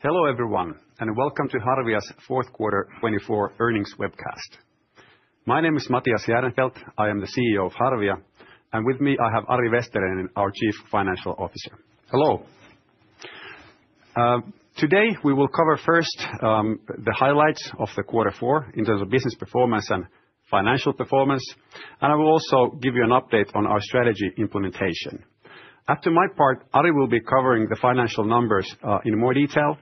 Hello everyone and welcome to Harvia's Q4 2024 earnings webcast. My name is Matias Järnefelt, I am the CEO of Harvia and with me I have Ari Vesterinen, our Chief Financial Officer. Hello. Today we will cover first the highlights of the Q4 in terms of business performance and financial performance and I will also give you an update on our strategy implementation. After my part, Ari will be covering the financial numbers in more detail.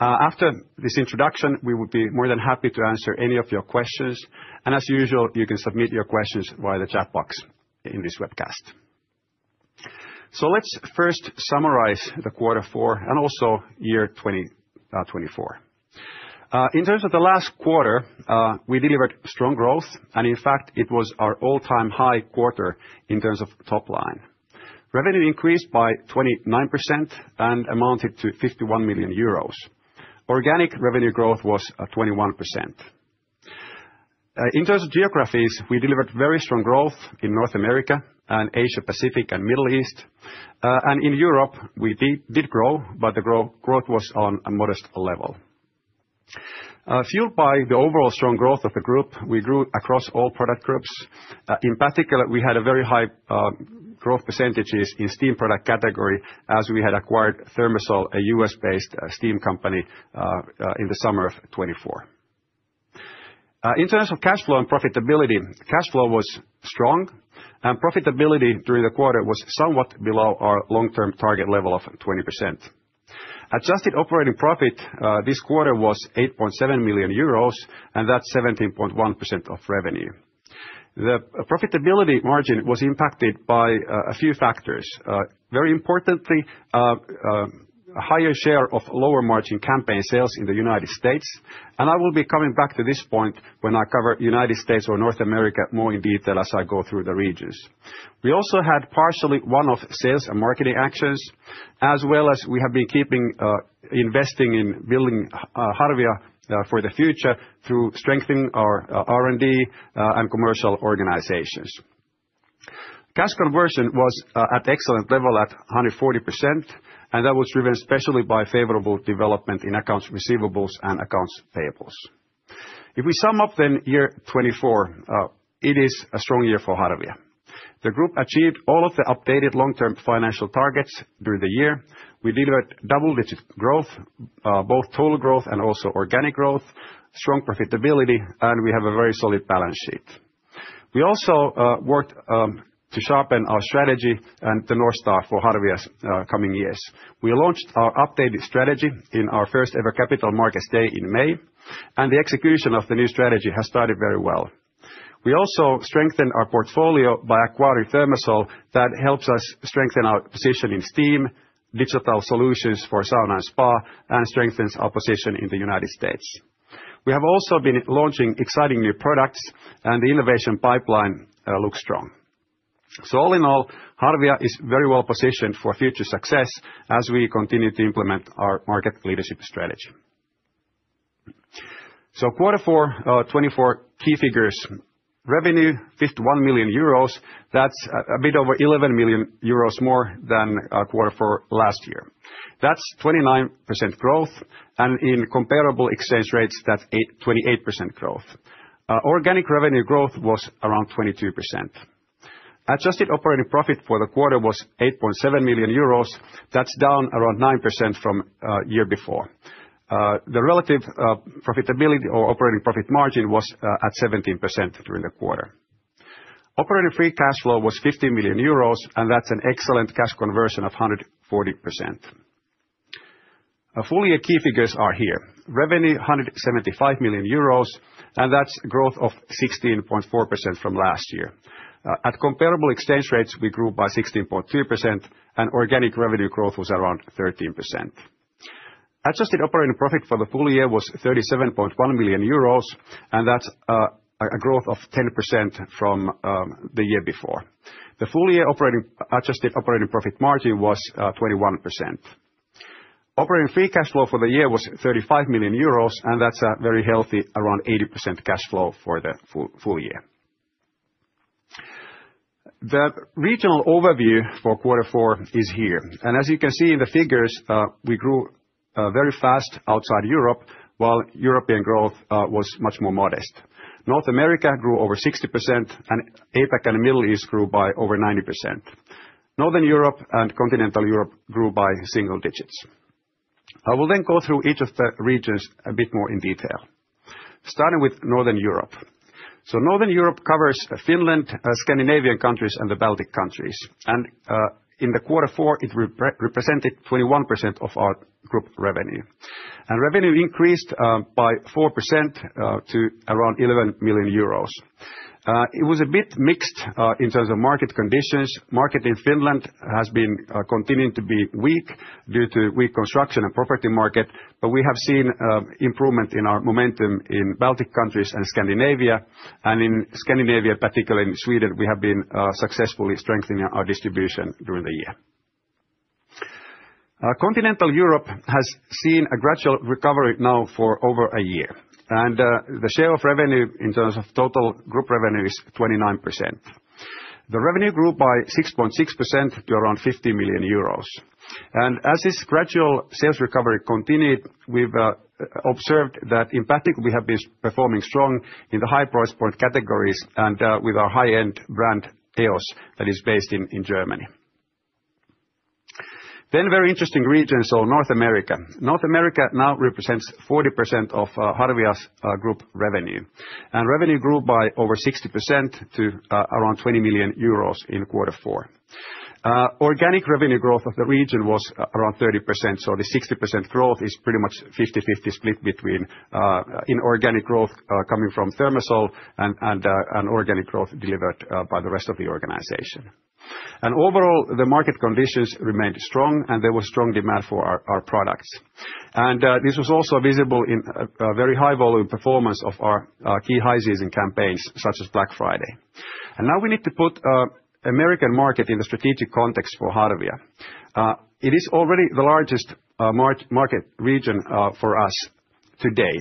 After this introduction, we will be more than happy to answer any of your questions and as usual, you can submit your questions via the chat box in this webcast. So let's first summarize the Q4 and also year 2024. In terms of the last quarter, we delivered strong growth, and in fact it was our all-time high quarter in terms of top revenue, increased by 29% and amounted to 51 million euros. Organic revenue growth was 21%. In terms of geographies, we delivered very strong growth in North America and Asia Pacific and Middle East, and in Europe we did grow, but the growth was on a modest level. Fueled by the overall strong growth of the group. We grew across all product groups. In particular, we had a very high growth percentages in steam product category as we had acquired ThermaSol, a US-based steam company in the summer of 2024. Internal cash flow and profitability. Cash flow was strong and profitability during the quarter was somewhat below our long-term target level of 20%. Adjusted operating profit this quarter was 8.7 million euros and that's 17.1% of revenue. The profitability margin was impacted by a few factors, very importantly a higher share of lower margin campaign sales in the United States and I will be coming back to this point when I cover United States or North America more in detail as I go through the regions. We also had partially one-off sales and marketing actions as well as we have been keeping investing in building Harvia for the future through strengthening our R&D and commercial organizations. Cash conversion was at excellent level at 140% and that was driven especially by favorable development in accounts receivables and accounts payables. If we sum up then 2024 it is a strong year for Harvia. The group achieved all of the updated long-term financial targets during the year. We delivered double digit growth, both total growth and also organic growth, strong profitability and we have a very solid balance sheet. We also worked to sharpen our strategy and the North Star for Harvia's coming years. We launched our updated strategy in our first ever Capital Markets Day in May and the execution of the new strategy has started very well. We also strengthened our portfolio by acquiring ThermaSol that helps us strengthen our position in steam and digital solutions for sauna and spa and strengthens our position in the United States. We have also been launching exciting new products and the innovation pipeline looks strong. All in all, Harvia is very well positioned for future success as we continue to implement our market leadership strategy. Q4 2024 key figures revenue 51 million euros that's a bit over 11 million euros more than Q4 last year. That's 29% growth and in comparable exchange rates that's 28% growth. Organic revenue growth was around 22%. Adjusted operating profit for the quarter was 8.7 million euros. That's down around 9% from year before. The relative profitability or operating profit margin was at 17% during the quarter. Operating free cash flow was 50 million euros and that's an excellent cash conversion of 154%. Full-year. Key figures are here. Revenue 175 million euros and that's growth of 16.4% from last year. At comparable exchange rates we grew by 16.3% and organic revenue growth was around 13%. Adjusted operating profit for the full-year was 37.1 million euros and that's a growth of 10% from the year before. The full-year adjusted operating profit margin was 21%. Operating free cash flow for the year was 35 million euros and that's a very healthy around 80% cash flow for the full-year. The regional overview for Q4 is here, and as you can see in the figures, we grew very fast outside Europe while European growth was much more modest. North America grew over 60%, and APAC and the Middle East grew by over 90%. Northern Europe and Continental Europe grew by single digits. I will then go through each of the regions a bit more in detail, starting with Northern Europe, so Northern Europe covers Finland, Scandinavian countries, and the Baltic countries, and in Q4 it represented 21% of our group revenue, and revenue increased by 4% to around 11 million euros. It was a bit mixed in terms of market conditions. Market in Finland has been continuing to be weak due to weak construction and property market, but we have seen improvement in our momentum in Baltic countries and Scandinavia. In Scandinavia, particularly in Sweden, we have been successfully strengthening our distribution during the year. Continental Europe has seen a gradual recovery now for over a year and the share of revenue in terms of total group revenue is 29%. The revenue grew by 6.6% to around 50 million euros. As this gradual sales recovery continued, we've observed that in particular we have been performing strong in the high price point categories and with our high-end brand EOS that is based in Germany. Then, very interesting regions are North America. North America now represents 40% of Harvia's group revenue. And revenue grew by over 60% to around 20 million euros in Q4. Organic revenue growth of the region was around 30%. So the 60% growth is pretty much 50-50 split between inorganic growth coming from ThermaSol and organic growth delivered by the rest of the organization. And overall the market conditions remained strong and there was strong demand for our products. And this was also visible in very high volume performance of our key high season campaigns such as Black Friday. And now we need to put the American market in the strategic context for Harvia. It is already the largest market region for us today.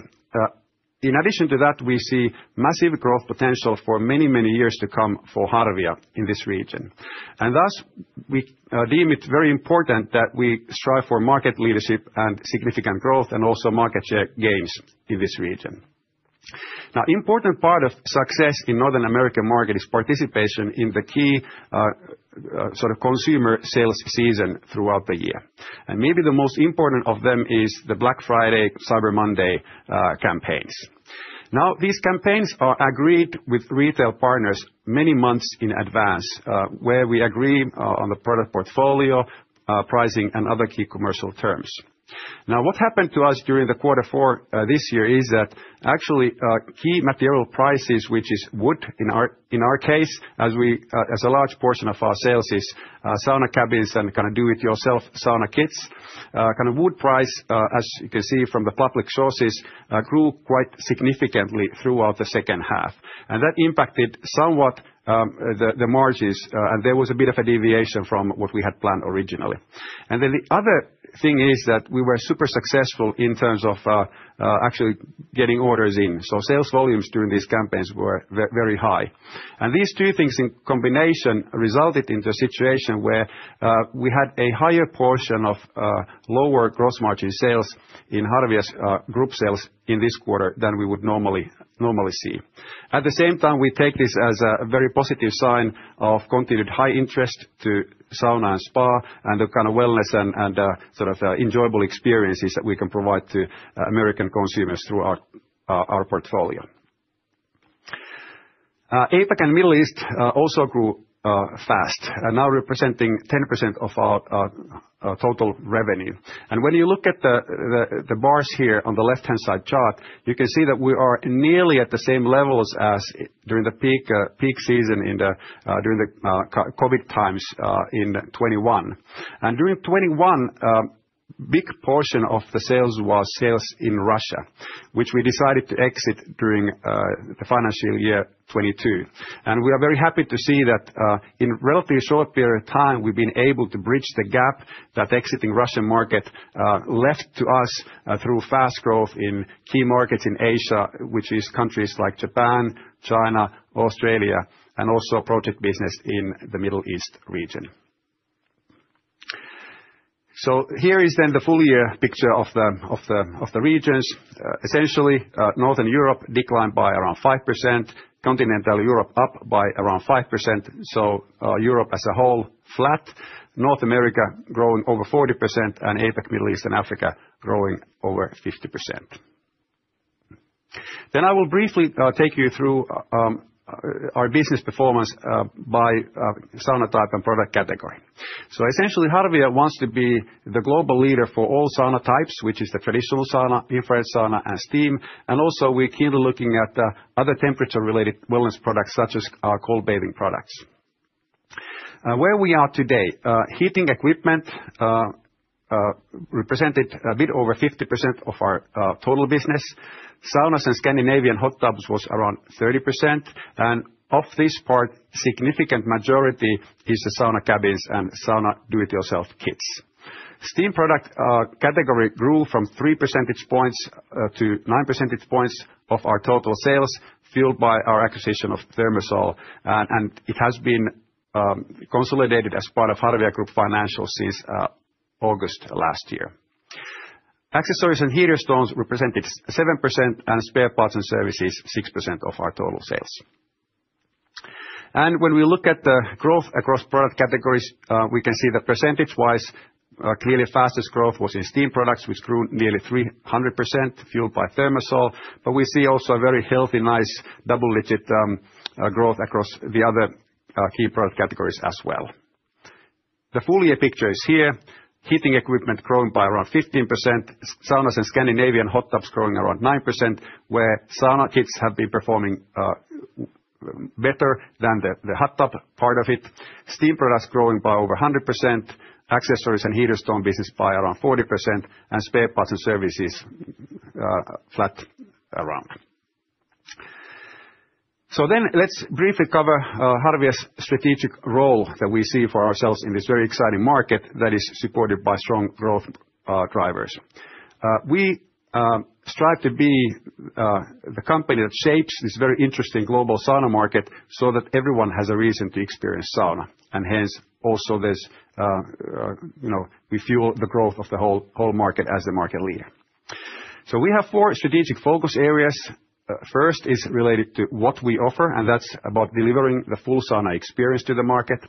In addition to that, we see massive growth potential for many, many years to come for Harvia in this region. Thus we deem it very important that we strive for market leadership and significant growth and also market share gains in this region. Now important part of success in North American market is participation in the key sort of consumer sales season throughout the year. Maybe the most important of them is the Black Friday Cyber Monday campaigns. Now these campaigns are agreed with retail partners many months in advance where we agree on the product portfolio, pricing and other key commercial terms. Now what happened to us during the Q4 this year is that actually key material prices, which is wood in our case as a large portion of our sales is sauna cabins and kind of do-it-yourself sauna kits kind of wood price, as you can see from the public sources, grew quite significantly throughout the second half. And that impacted somewhat the margins. And there was a bit of a deviation from what we had planned originally. And then the other thing is that we were super successful in terms of actually getting orders in. So sales volumes during these campaigns were very high. And these two things in combination resulted into a situation where we had a higher portion of lower gross margin sales in Harvia's group sales in this quarter than we would normally see. At the same time, we take this as a very positive sign of continued high interest to sauna and spa and the kind of wellness and sort of enjoyable experiences that we can provide to American consumers throughout our portfolio. APAC and Middle East also grew fast, now representing 10% of our total revenue, and when you look at the bars here on the left-hand side chart you can see that we are nearly at the same levels as during the peak season during the COVID times in 2021, and during 2021 big portion of the sales was sales in Russia which we decided to exit during the financial year 2022, and we are very happy to see that in relatively short period of time we've been able to bridge the gap that exiting Russian market left to us through fast growth in key markets in Asia, which is countries like Japan, China, Australia and also project business in the Middle East region. So here is then the full-year picture of the regions. Essentially Northern Europe declined by around 5%, Continental Europe up by around 5%. So Europe as a whole flat. North America growing over 40% and APAC Middle East and Africa growing over 50%. I will briefly take you through our business performance by sauna type and product category. Essentially Harvia wants to be the global leader for all sauna types, which is the traditional sauna, infrared sauna and steam. Also we're keenly looking at other temperature-related wellness products such as cold bathing products. Where we are today. Heating equipment. Represented a bit over 50% of our total business. Saunas and Scandinavian hot tubs was around 30%. Of this part significant majority is the sauna cabins and sauna do it yourself kits. Steam product category grew from 3%-9% points of our total sales fueled by our acquisition of ThermaSol. It has been consolidated as part of Harvia Group financials since August last year. Accessories and heater stones represented 7% and spare parts and services 6% of our total sales. And when we look at the growth across product categories, we can see that percentage wise clearly fastest growth was in steam products which grew nearly 300% fueled by ThermaSol. But we see also a very healthy nice double digit growth across the other key product categories as well. The full-year picture is here. Heating equipment growing by around 15%. Saunas in Scandinavian hot tubs growing around 9% where sauna kits have been performing better than the hot tub part of it. Steam products growing by over 100%. Accessories and heater stone business by around 40% and spare parts and services flat around. So then let's briefly cover Harvia's strategic role that we see for ourselves in this very exciting market that is supported by strong growth drivers. We strive to be the company that shapes this very interesting global sauna market so that everyone has a reason to experience sauna and hence also this. You know, we fuel the growth of the whole market as the market leader. So we have four strategic focus areas. First is related to what we offer and that's about delivering the full sauna experience to the market.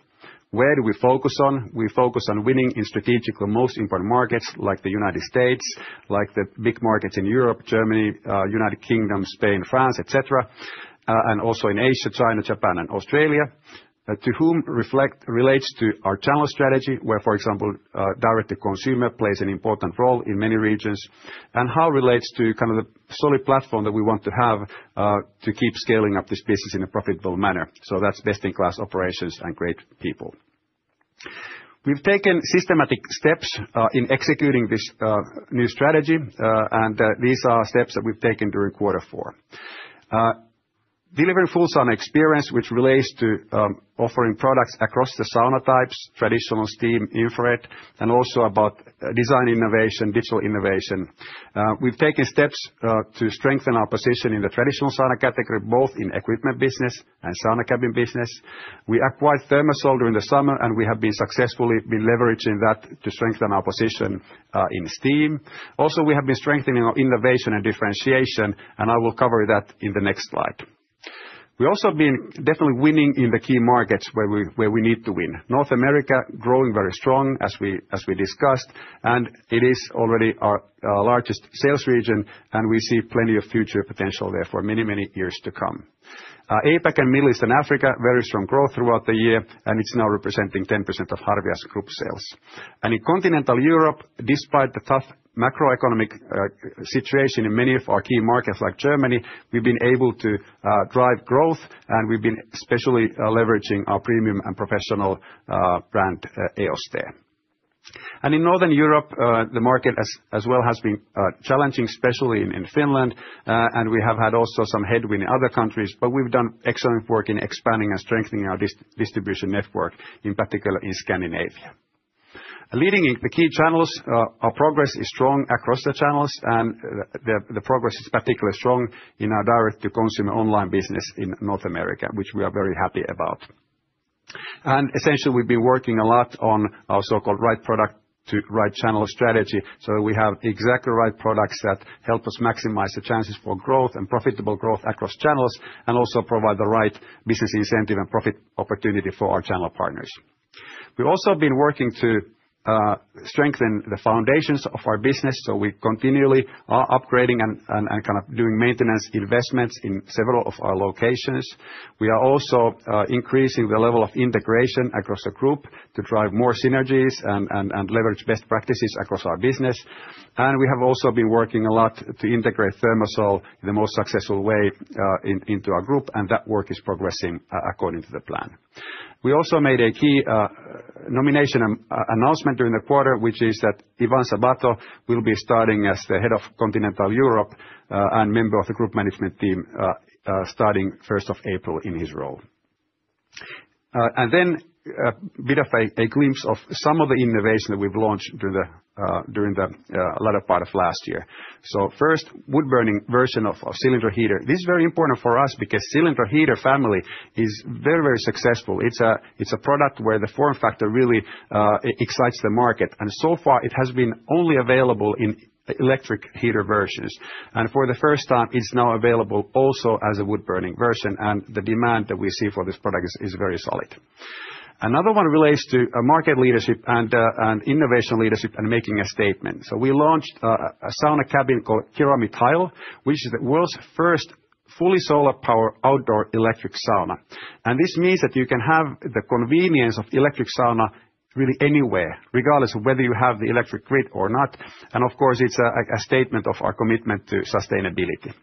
Where do we focus on? We focus on winning in the strategic, the most important markets like the United States, like the big markets in Europe, Germany, United Kingdom, Spain, France, etc. And also in Asia, China, Japan and Australia. To whom this reflects relates to our channel strategy. Where, for example, direct to consumer plays an important role in many regions and how it relates to kind of the solid platform that we want to have to keep scaling up this business in a profitable manner. So that's best in class operations and great people. We've taken systematic steps in executing this new strategy and these are steps that we've taken during Q4. Delivering full sauna experience, which relates to offering products across the sauna types, traditional steam infrared and also about design innovation, digital innovation. We've taken steps to strengthen our position in the traditional sauna category, both in equipment business and sauna cabin business. We acquired ThermaSol during the summer and we have been successfully leveraging that to strengthen our position in steam also. We have been strengthening our innovation and differentiation and I will cover that in the next slide. We also been definitely winning in the key markets where we need to win. North America growing very strong as we discussed and it is already our largest sales region and we see plenty of future potential there for many, many years to come. APAC and Middle Eastern Africa, very strong growth throughout the year and it's now representing 10% of Harvia's group sales. In Continental Europe, despite the toughest macroeconomic situation in many of our key markets like Germany, we've been able to drive growth and we've been especially leveraging our premium and professional brand EOS there and in Northern Europe. The market as well has been challenging, especially in Finland, and we have had also some headwind in other countries. But we've done excellent work in expanding and strengthening our distribution network, in particular in Scandinavia, leading the key channels. Our progress is strong across the channels and the progress is particularly strong in our direct to consumer online business in North America, which we are very happy about. Essentially we've been working a lot on our so-called right product to right channel strategy. So we have exactly right products that help us maximize the chances for growth and profitable growth across channels and also provide the right business incentive and profit opportunity for our channel partners. We've also been working to strengthen the foundations of our business. So we continually are upgrading and kind of doing maintenance investments in several of our locations. We are also increasing the level of integration across the group to drive more synergies and leverage best practices across our business. And we have also been working a lot to integrate ThermaSol in the most successful way into our group and that work is progressing according to the plan. We also made a key nomination announcement during the quarter which is that Ivan Sabato will be starting as the head of Continental Europe and member of the group management team starting 1st of April in his role. Then a bit of a glimpse of some of the innovation that we've launched during the latter part of last year. First wood-burning version of Cilindro heater. This is very important for us because Cilindro heater family is very, very successful. It's a product where the form factor really excites the market and so far it has been only available in electric heater versions and for the first time it's now available also as a wood-burning version. The demand that we see for this product is very solid. Another one relates to market leadership and innovation leadership and making a statement. We launched a sauna cabin called Kirami Tile which is the world's first fully solar-powered outdoor electric sauna. This means that you can have the convenience of electric sauna really anywhere, regardless of whether you have the electric grid or not. And of course it's a statement of our commitment to sustainability.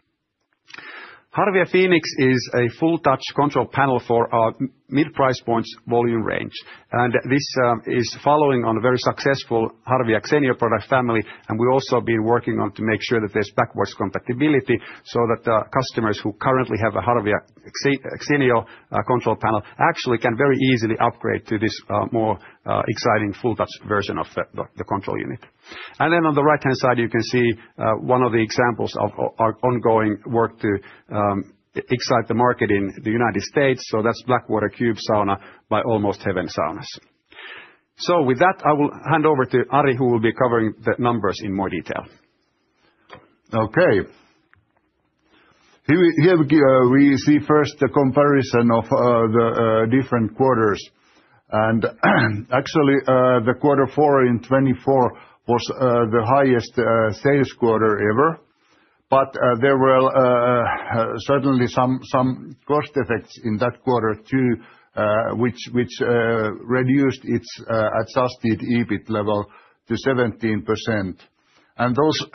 Harvia Fenix is a full touch control panel for our mid price points, volume range and this is following on a very successful Harvia Xenio product family. And we've also been working on to make sure that there's backwards compatibility so that customers who currently have a Harvia Xenio control panel actually can very easily upgrade to this more exciting full touch version of the control unit. And then on the right hand side you can see one of the examples of our ongoing work to excite the market in the United States. So that's Blackwater Cube Sauna by Almost Heaven Saunas. So with that I will hand over to Ari who will be covering the numbers in more detail. Okay. Here we see first the comparison of the different quarters. And actually the Q4 in 2024 was the highest sales quarter ever. But there were certainly some cost effects in that quarter too, which reduced its adjusted EBIT level to 17%. And those.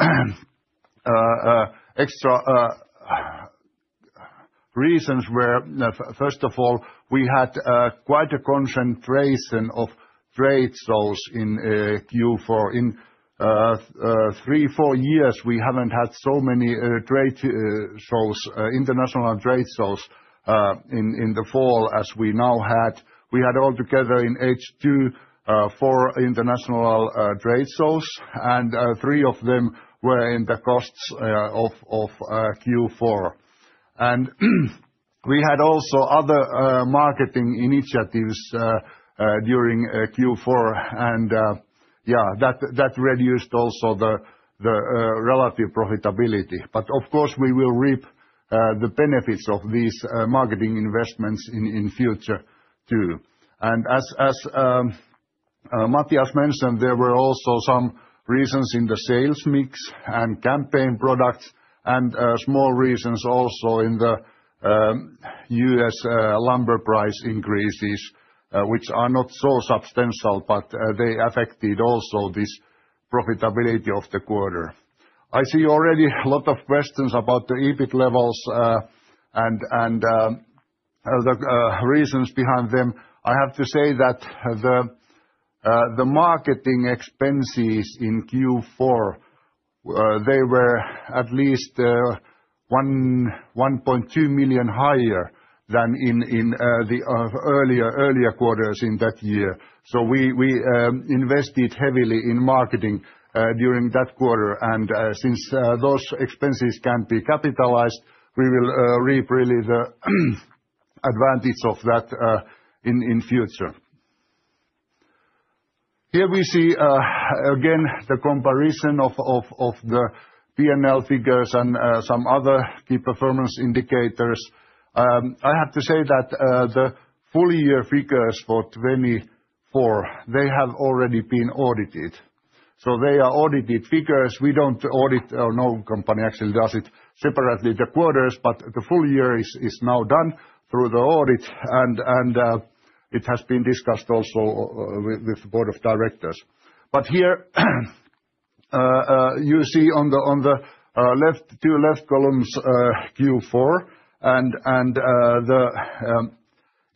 Extra. Reasons were first of all, we had quite a concentration of trade shows in Q4 in three or four years. We haven't had so many trade shows, international trade shows in the fall as we now had. We had altogether in H2 four international trade shows and three of them were in the course of Q4. And we had also other marketing initiatives during Q4. And yeah, that reduced also the relative profitability. But of course we will reap the benefits of these marketing investments in future. And as Matias mentioned, there were also some reasons in the sales mix and campaign products and small reasons also in the U.S. lumber price increases which are not so substantial, but they affected also this profitability of the quarter. I see already a lot of questions about the EBIT levels and the reasons behind them. I have to say that. The marketing expenses in Q4, they were at least. 1.2 million higher than in the earlier quarters in that year. So we invested heavily in marketing during that quarter. And since those expenses can't be capitalized, we will reap really the advantage of that in future. Here we see again the comparison of the P&L figures and some other key performance indicators. I have to say that the full-year figures for 2024, they have already been audited. So they are audited figures. We don't audit. No company actually does it separately the quarters. But the full-year is now done through the audit and it has been discussed also with the Board of Directors. But here. You see on the left two left columns Q4 and the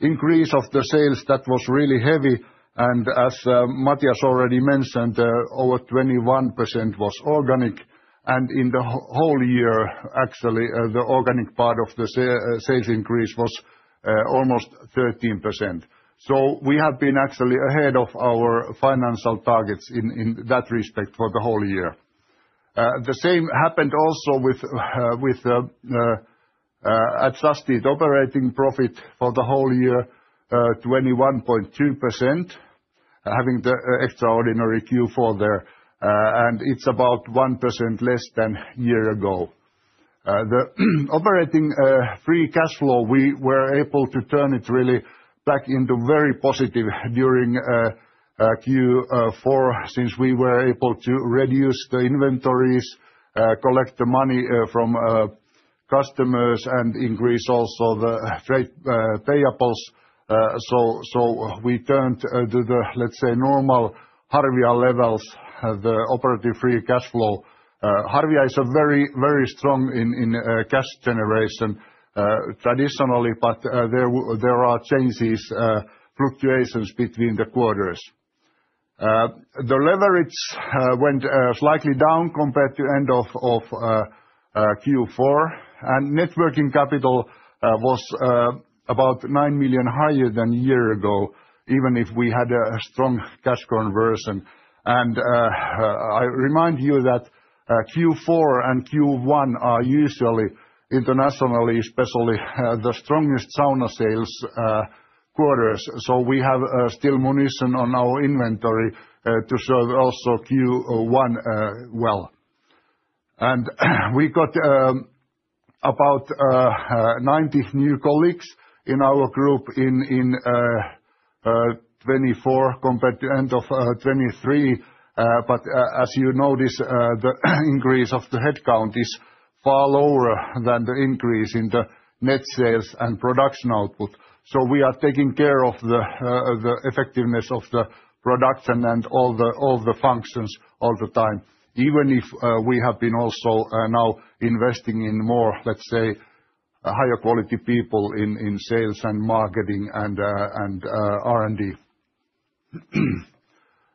increase of the sales that was really heavy. And as Matias already mentioned, over 21% was organic. And in the whole year actually the organic part of the sales increase was almost 13%. So we have been actually ahead of our financial targets in that respect for the whole year. The same happened also with. Adjusted operating profit for the whole year, 21.2%, having the extraordinary Q4 there, and it's about 1% less than a year ago. The operating free cash flow, we were able to turn it really back into very positive during Q4 since we were able to reduce the inventories, collect the money from customers and increase also the freight payables. So we turned the, let's say normal Harvia levels, the operating free cash flow. Harvia is very, very strong in cash generation traditionally, but there are changes fluctuations between the quarters. The leverage went slightly down compared to end of Q4 and net working capital was about 9 million higher than a year ago. Even if we had a strong cash conversion. I remind you that Q4 and Q1 are usually internationally especially the strongest sauna sales quarters. So we have still some units on our inventory to serve also Q1 well. And we got about 90 new colleagues in our group in 2024 compared to end of 2023. But as you notice, the increase of the headcount is far lower than the increase in the net sales and production output. So we are taking care of the effectiveness of the production and all the functions all the time. Even if we have been also now investing in more, let's say higher quality people in sales and marketing and R&D.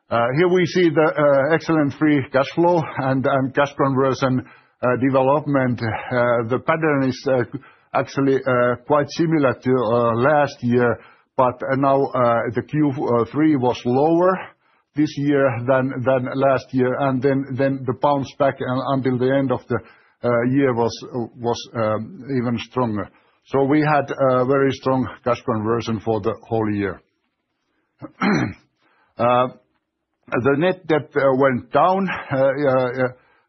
Here we see the excellent free cash flow and cash conversion development. The pattern is actually quite similar to last year. But now the Q3 was lower this year than last year. And then the bounce back until the end of the year was even stronger. So we had a very strong cash conversion for the whole year. The net debt went down.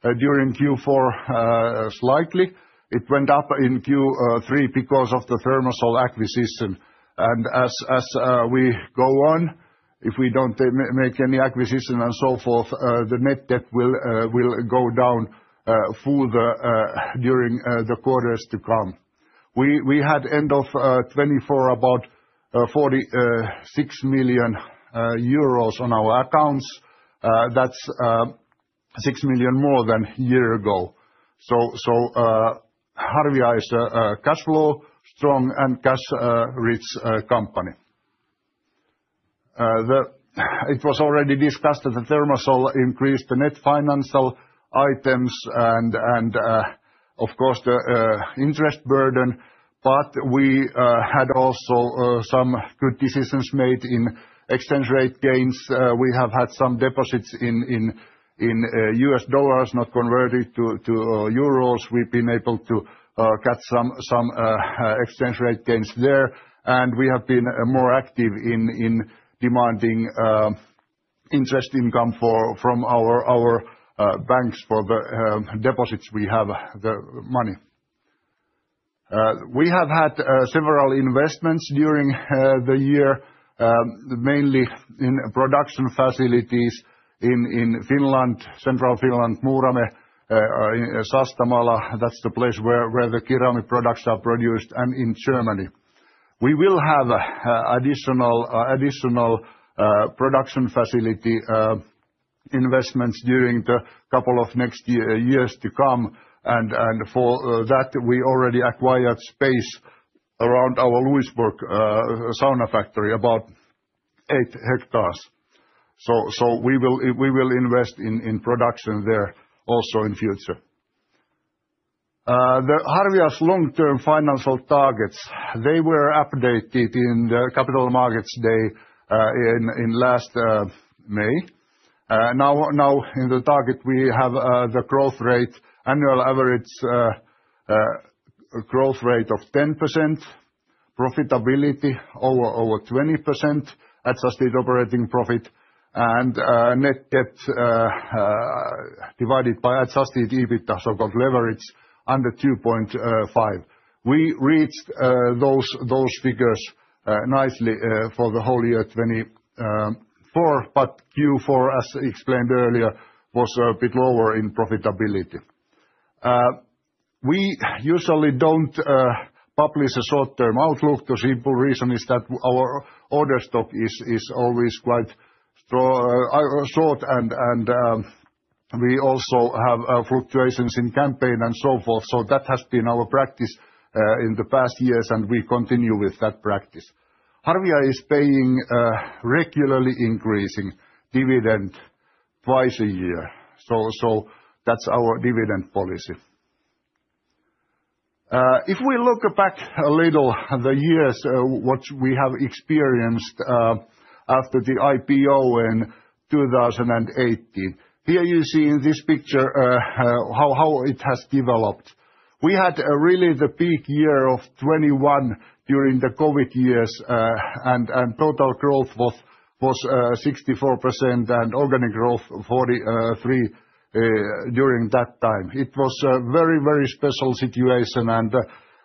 During Q4 slightly, it went up in Q3 because of the ThermaSol acquisition, and as we go on, if we don't make any acquisition and so forth, the net debt will go down fully during the quarters to come. We had end of 2024 about 46 million euros on our accounts. That's 6 million more than a year ago, so Harvia is a cash flow strong and cash rich company. It was already discussed that ThermaSol increased the net financial items and of course the interest burden. But we had also some good decisions made in exchange rate gains. We have had some deposits in US dollars not converted to euros. We've been able to book some exchange rate gains there and we have been more active in demanding interest income from our banks for the deposits we have the money. We have had several investments during the year, mainly in production facilities in Finland, central Finland, Muurame, Sastamala, that's the place where the Kirami products are produced. And in Germany we will have additional production facility investments during the couple of next years to come, and for that we already acquired space around our Lewisburg sauna factory, about 8 hectares. We will invest in production there also in future. The Harvia's long-term financial targets, they were updated in the Capital Markets Day in last May. Now in the target we have the growth rate, annual average. Growth rate of 10%, profitability over 20%, adjusted operating profit, and net debt. Divided by adjusted EBITDA. So got leverage under 2.5. We reached those figures nicely for the whole year 2024. But Q4 as explained earlier was a bit lower in profitability. We usually don't publish a short-term outlook. The simple reason is that our order stock is always quite short and we also have fluctuations in campaign and so forth. So that has been our practice in the past years and we continue with that practice. Harvia is paying regularly increasing dividend twice a year. So that's our dividend policy. If we look back a little the years, what we have experienced after the IPO in 2018. Here you see in this picture how it has developed. We had really the peak year of 2021 during the COVID years and total growth was 64% and organic growth 43% during that time. It was a very, very special situation. And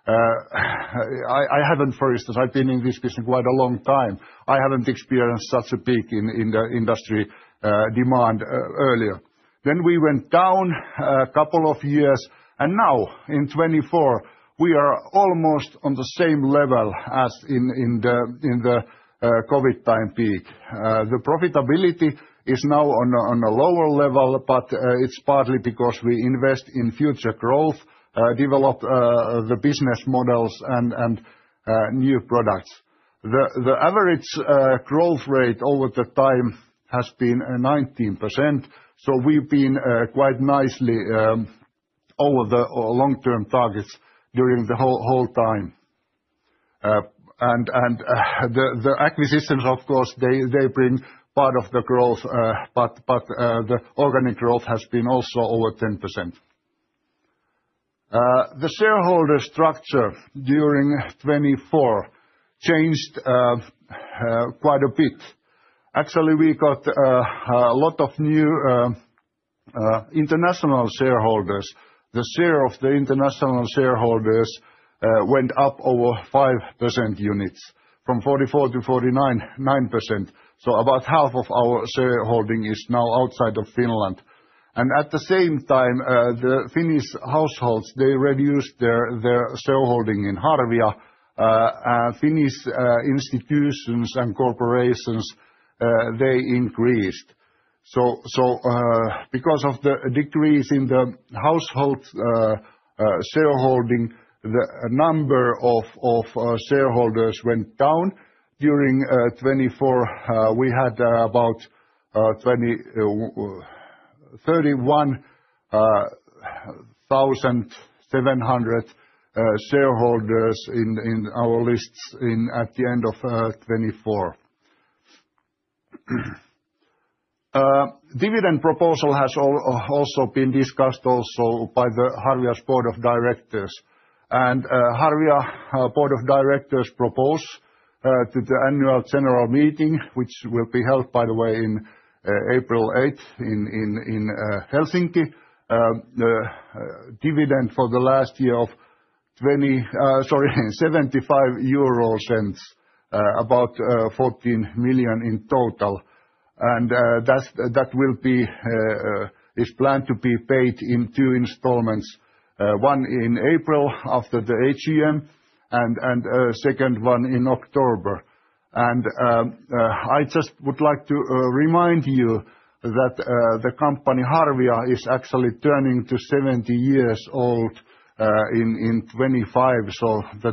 I haven't, for instance, I've been in this business quite a long time. I haven't experienced such a peak in the industry demand earlier than we went down a couple of years and now in 2024 we are almost on the same level as in the COVID time peak. The profitability is now on a lower level, but it's partly because we invest in future growth, develop the business models and new products. The average growth rate over the time has been 19%, so we've been quite nicely over the long-term targets during the whole time. The acquisitions, of course they bring part of the growth, but the organic growth has been also over 10%. The shareholder structure during 2024 changed quite a bit actually. We got a lot of new International shareholders. The share of the international shareholders went up over 5%. Units from 44% to 49.9%. So about half of our shareholding is now outside of Finland. And at the same time the Finnish households they reduced their shareholding in Harvia. Finnish institutions and corporations they increased. So because of the decrease in the household shareholding, the number of shareholders went down during 2024. We had about 31,700 shareholders in our lists at the end of 2024. Dividend Proposal has also been discussed by Harvia's Board of Directors. Harvia's Board of Directors propose Annual General Meeting, which will be held, by the way, in April 8th in Helsinki. Dividend for the last year of 0.75 and about 14 million in total. That will be planned to be paid in two installments. One in April after the AGM and second one in October. I just would like to remind you that the company Harvia is actually turning 70-years-old in 2025. The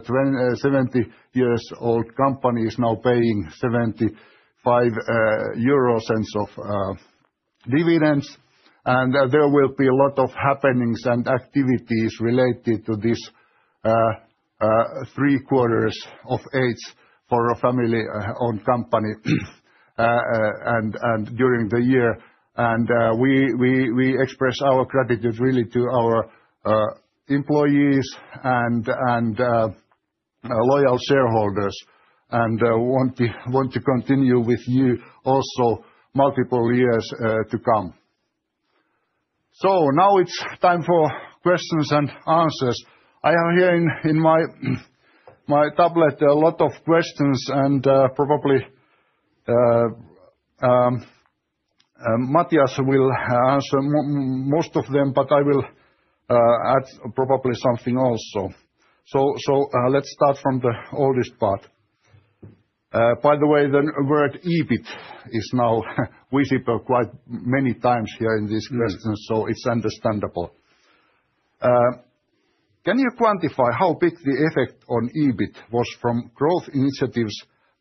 70-year-old company is now paying 0.75 in dividends. There will be a lot of happenings and activities related to this. Three-fourths of age for a family-owned company during the year. And we express our gratitude really to our employees and loyal shareholders and want to continue with you also multiple years to come. So now it's time for questions and answers. I have here in my tablet a lot of questions and probably. Matias will answer most of them, but I will add probably something also, so let's start from the oldest part. By the way, the word EBIT is used quite many times here in this question, so it's understandable. Can you quantify how big the effect on EBIT was from growth initiatives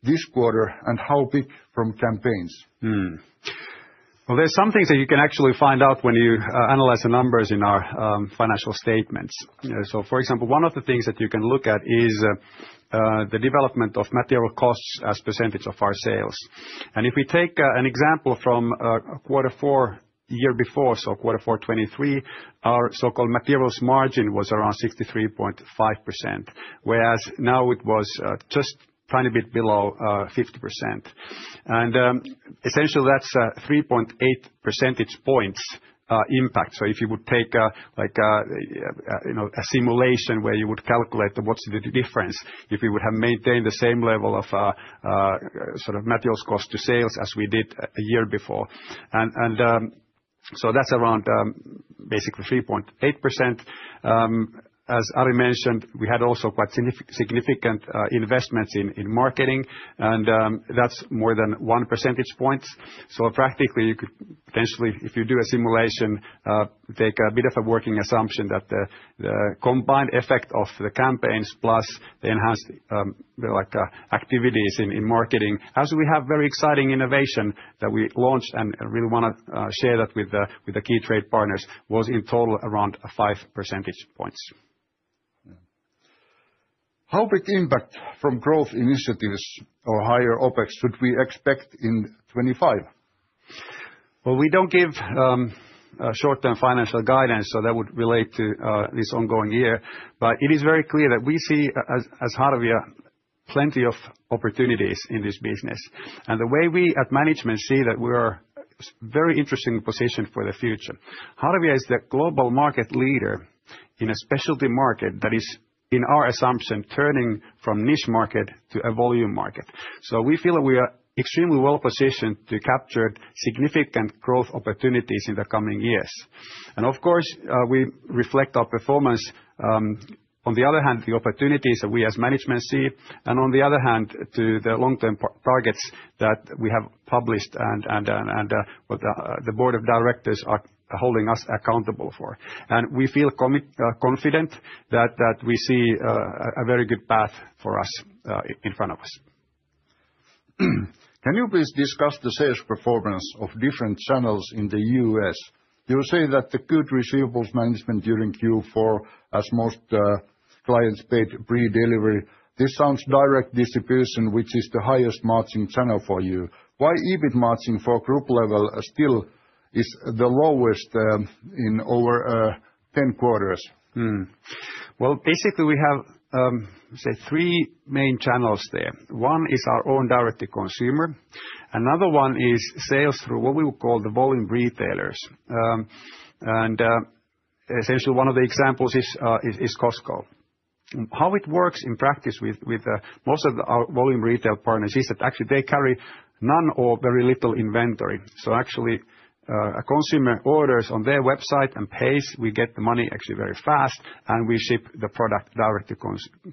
this quarter and how big from campaigns? There's some things that you can actually find out when you analyze the numbers in our financial statements. For example, one of the things that you can look at is the development of material costs as percentage of our sales. And if we take an example from Q4 year before, so Q4 2023, our so-called materials margin was around 63.5% whereas now it was just tiny bit below 50% and essentially that's 3.8% points impact. If you would take like you know a simulation where you would calculate what's the difference if we would have maintained the same level of sort of materials cost to sales as we did a year before. So that's around basically 3.8%. As Ari mentioned, we had also quite significant investments in marketing and that's more than 1% point. So practically you could potentially if you do a simulation take a bit of a working assumption that the combined effect of the campaigns plus the enhanced activities in marketing as we have very exciting innovation that we launched and really want to share that with the key trade partners was in total around 5% points. How big impact from growth initiatives or higher OpEx should we expect in 2025? We don't give short-term financial guidance, so that would relate to this ongoing year. But it is very clear that we see as Harvia plenty of opportunities in this business, and the way we at management see that we are in a very interesting position for the future. Harvia is the global market leader in a specialty market that is, in our assumption, turning from niche market to a volume market. So we feel that we are extremely well positioned to capture significant growth opportunities in the coming years. Of course we reflect our performance: on the one hand the opportunities that we as management see and on the other hand the long-term targets that we have published and what the Board of Directors are holding us accountable for. We feel confident that we see a very good path for us in front of us. Can you please discuss the sales performance of different channels in the U.S.? You say that the good receivables management during Q4 as most clients paid pre delivery. This sounds direct distribution which is the highest margin channel for you? Why EBIT margin for group level still is the lowest in over 10 quarters. Basically we have three main channels there. One is our own direct to consumer, another one is sales through what we would call the volume retailers. And essentially one of the examples is Costco. How it works in practice with most of our volume retail partners is that actually they carry none or very little inventory. So actually a consumer orders on their website and pays. We get the money actually very fast and we ship the product direct to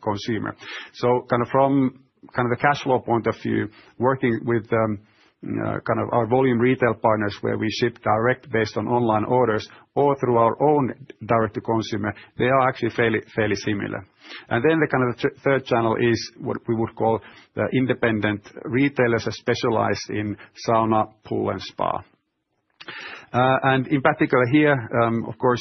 consumer. So kind of from kind of the cash flow point of view, working with kind of our volume retail partners where we ship direct based on online orders or through our own direct to consumer, they are actually fairly similar. And then the kind of third channel is what we would call the independent retailers specialized in sauna, pool and spa. And in particular here, of course.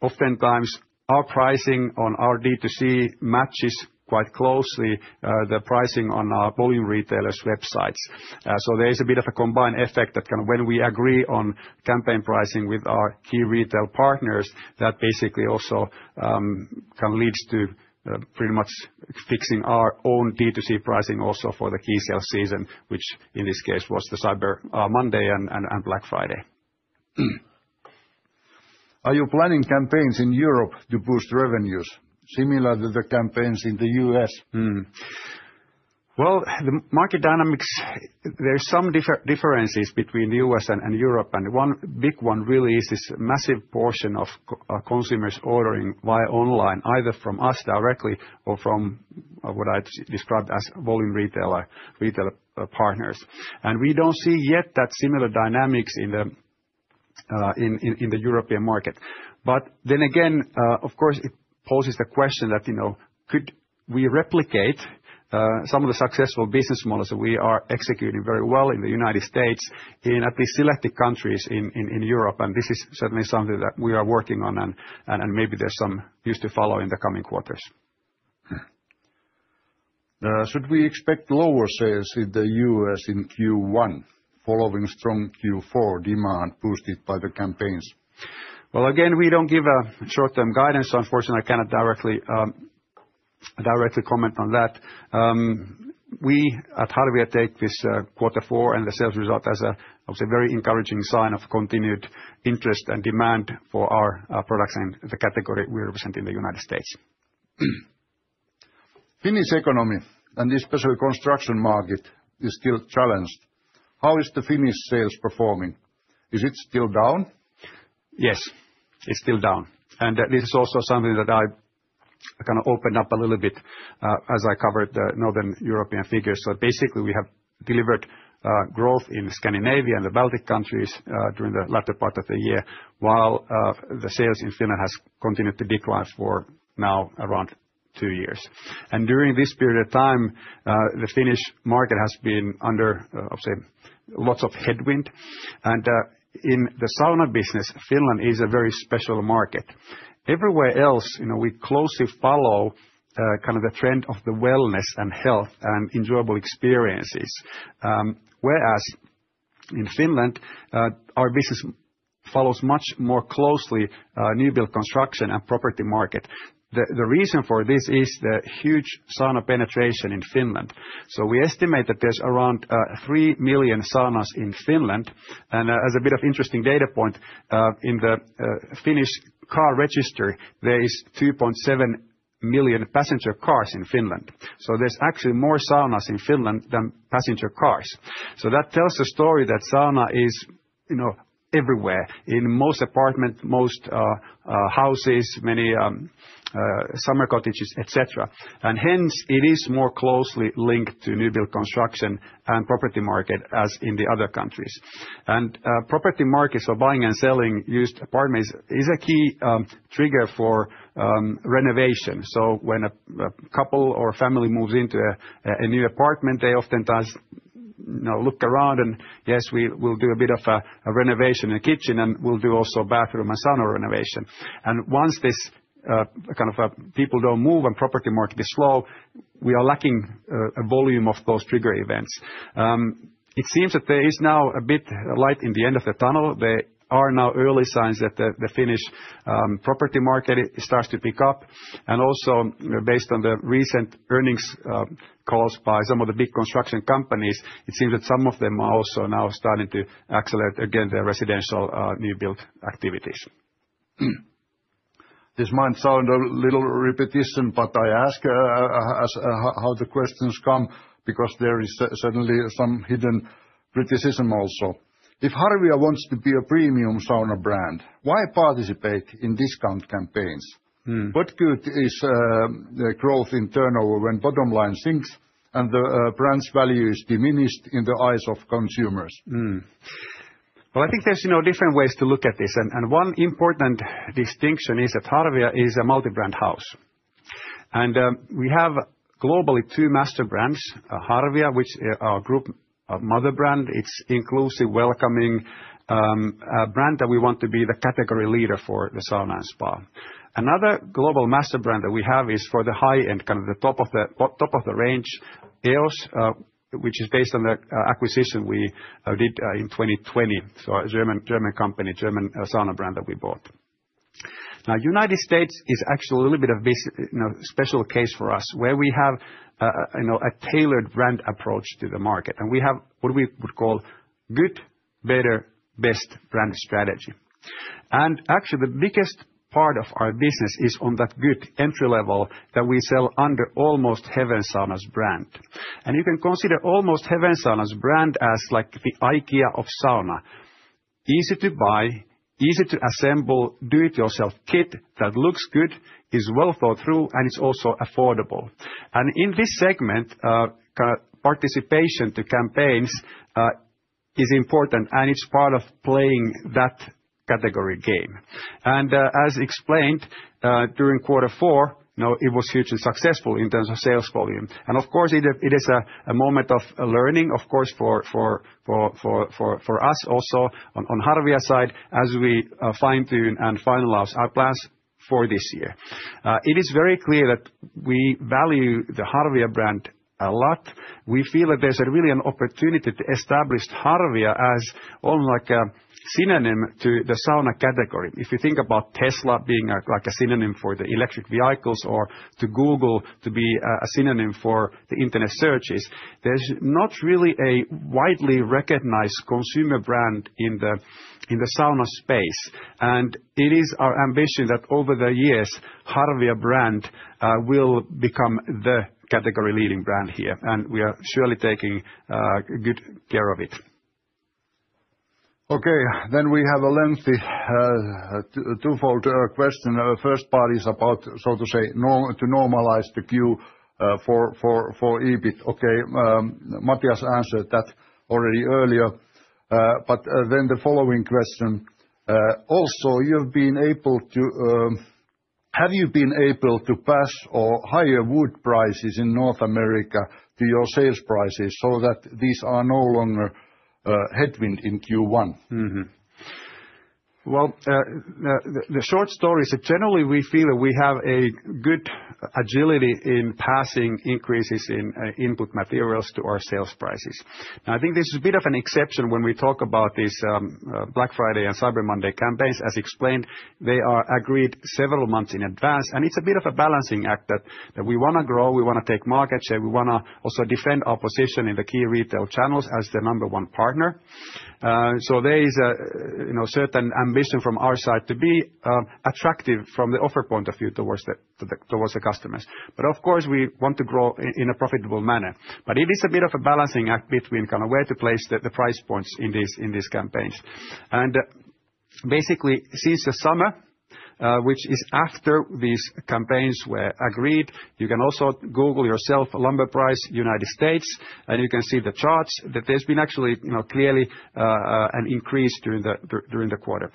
Oftentimes, our pricing on our D2C matches quite closely the pricing on our volume retailers' websites. So there is a bit of a combined effect that kind of when we agree on campaign pricing with our key retail partners, that basically also can lead to pretty much fixing our own D2C pricing. Also, for the key sales season, which in this case was the Cyber Monday and Black Friday. Are you planning campaigns in Europe to boost revenues similar to the campaigns in the U.S.? The market dynamics, there's some differences between the U.S. and Europe. One big one really is this massive portion of consumers ordering via online, either from us directly or from what I described as volume retailer partners. We don't see yet that similar dynamics. In the European market. But then again, of course it poses the question that, you know, could we replicate some of the successful business models that we are executing very well in the United States, in at least selected countries in Europe? And this is certainly something that we are working on and maybe there's some news to follow in the coming quarters. Should we expect lower sales in the U.S. in Q1 following strong Q4 demand boosted by the campaigns? Again, we don't give short-term guidance. Unfortunately, I cannot. Directly comment on that. We at Harvia take this Q4 and the sales result as a very encouraging sign of continued interest and demand for our products in the category we represent in the United States. Finnish economy and especially construction market is still challenged. How is the Finnish sales performing? Is it still down? Yes, it's still down, and this is also something that I can open up a little bit as I covered the Northern European figures, so basically we have delivered growth in Scandinavia and the Baltic countries during the latter part of the year, while the sales in Finland has continued to decline for now around two years, and during this period of time, the Finnish market has been under lots of headwind and in the sauna business, Finland is a very special market. Everywhere else we closely follow kind of the trend of the wellness and health and enjoyable experiences. Whereas in Finland our business follows much more closely new build, construction and property market. The reason for this is the huge sauna penetration in Finland, so we estimate that there's around three million saunas in Finland. And as a bit of interesting data point in the Finnish car register, there is 2.7 million passenger cars in Finland. So there's actually more saunas in Finland than passenger cars. So that tells the story that sauna is everywhere in most apartments, most houses, many summer cottages, etc. And hence it is more closely linked to new build, construction and property market as in the other countries. And property markets for buying and selling used apartments is a key trigger for renovation. So when a couple or family moves into a new apartment, they oftentimes look around and yes, we will do a bit of a renovation in the kitchen and we'll do also bathroom and sauna renovation. And once this kind of people don't move and property market is slow, we are lacking a volume of those trigger events. It seems that there is now a bit light in the end of the tunnel. There are now early signs that the Finnish property market starts to pick up, and also based on the recent earnings calls by some of the big construction companies, it seems that some of them are also now starting to accelerate again their residential new build activities. This might sound a little repetitive, but I ask how the questions come because there is certainly some hidden criticism. Also, if Harvia wants to be a premium sauna brand, why participate in discount campaigns? What good is growth in turnover when bottom line sinks and the brand's value is diminished in the eyes of consumers? I think there's different ways to look at this and one important distinction is that Harvia is a multi-brand house and we have globally two master brands. Harvia, which our group mother brand, it's inclusive, welcoming brand that we want to be the category leader for the sauna and spa. Another global master brand that we have is for the high end kind of the top of the range EOS, which is based on the acquisition we did in 2020. So a German company, German sauna brand that we bought. Now United States is actually a little bit of special case for us where we have a tailored brand approach to the market and we have what we would call good, better, best brand strategy. And actually the biggest part of our business is on that good entry level that we sell under Almost Heaven Saunas brand. You can consider Almost Heaven Saunas brand as like the IKEA of sauna. Easy to buy, easy to assemble, do it yourself kit that looks good, is well thought through and it's also affordable. In this segment, participation to campaigns is important and it's part of playing that category game. As explained during Q4, it was huge and successful in terms of sales volume. Of course it is a moment of learning, of course. For us. Also on Harvia's side, as we fine tune and finalize our plans for this year, it is very clear that we value the Harvia brand a lot. We feel that there's really an opportunity to establish Harvia as almost like a synonym to the sauna category. If you think about Tesla being like a synonym for the electric vehicles or to Google to be a synonym for the internet searches, there's not really a widely recognized consumer brand in the sauna space, and it is our ambition that over the years Harvia brand will become the category leading brand here and we are surely taking good care of it. Okay then, we have a lengthy twofold question. First part is about, so to say, to normalize the Q4 for EBIT. Okay, Matias answered that already earlier. But then the following question also: have you been able to pass on higher wood prices in North America to your sales prices so that these are no longer headwind in Q1? The short story is that generally we feel that we have a good agility in passing increases in input materials to our sales prices. Now, I think this is a bit of an exception when we talk about this Black Friday and Cyber Monday campaigns, as explained; they are agreed several months in advance, and it's a bit of a balancing act that we want to grow, we want to take market share. We want to also defend our position in the key retail channels as the number one partner, so there is certain ambition from our side to be attractive from the offer point of view towards the customers, but of course we want to grow in a profitable manner. But it is a bit of a balancing act between where to place the price points in these campaigns, and basically since the summer, which is after these campaigns were agreed, you can also Google yourself, lumber price United States. And you can see the charts that there's been actually clearly an increase during the quarter,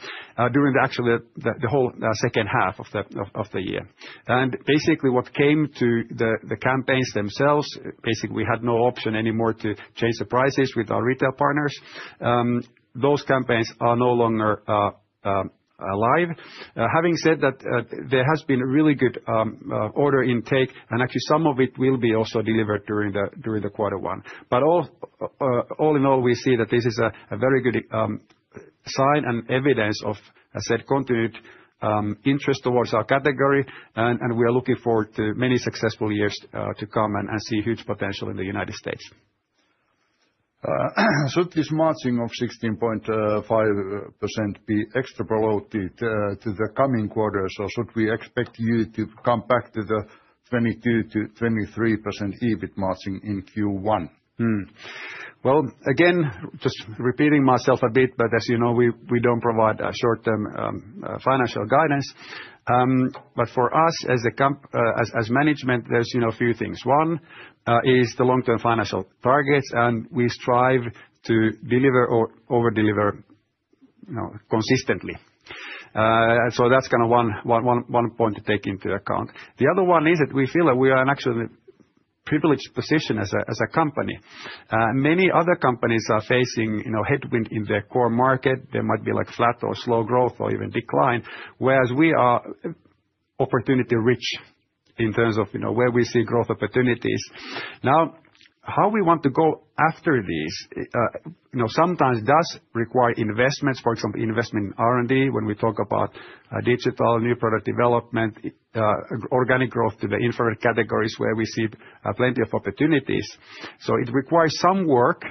during actually the whole second half of the year. And basically what came to the campaigns themselves, basically we had no option anymore to change the prices with our retail partners. Those campaigns are no longer alive. Having said that, there has been a really good order intake and actually some of it will be also delivered during the Q1, but all in all we see that this is a very good sign and evidence of continued interest towards our category and we are looking forward to many successful years to come and see huge potential in the United States. Should this margin of 16.5% be extrapolated to the coming quarters or should we expect you to come back to the 22%-23% EBIT margin in Q1? Again, just repeating myself a bit, but as you know, we don't provide short term financial guidance, but for us as management, there's a few things. One is the long-term financial targets, and we strive to deliver or over deliver consistently. So that's kind of one point to take into account. The other one is that we feel that we are in actually privileged position as a company. Many other companies are facing headwind in their core market. There might be like flat or slow growth or even decline. Whereas we are opportunity rich in terms of where we see growth opportunities. Now how we want to go after this sometimes does require investments. For example, investment in R&D when we talk about digital new product development, organic growth to the infrared categories where we see plenty of opportunities. So it requires some work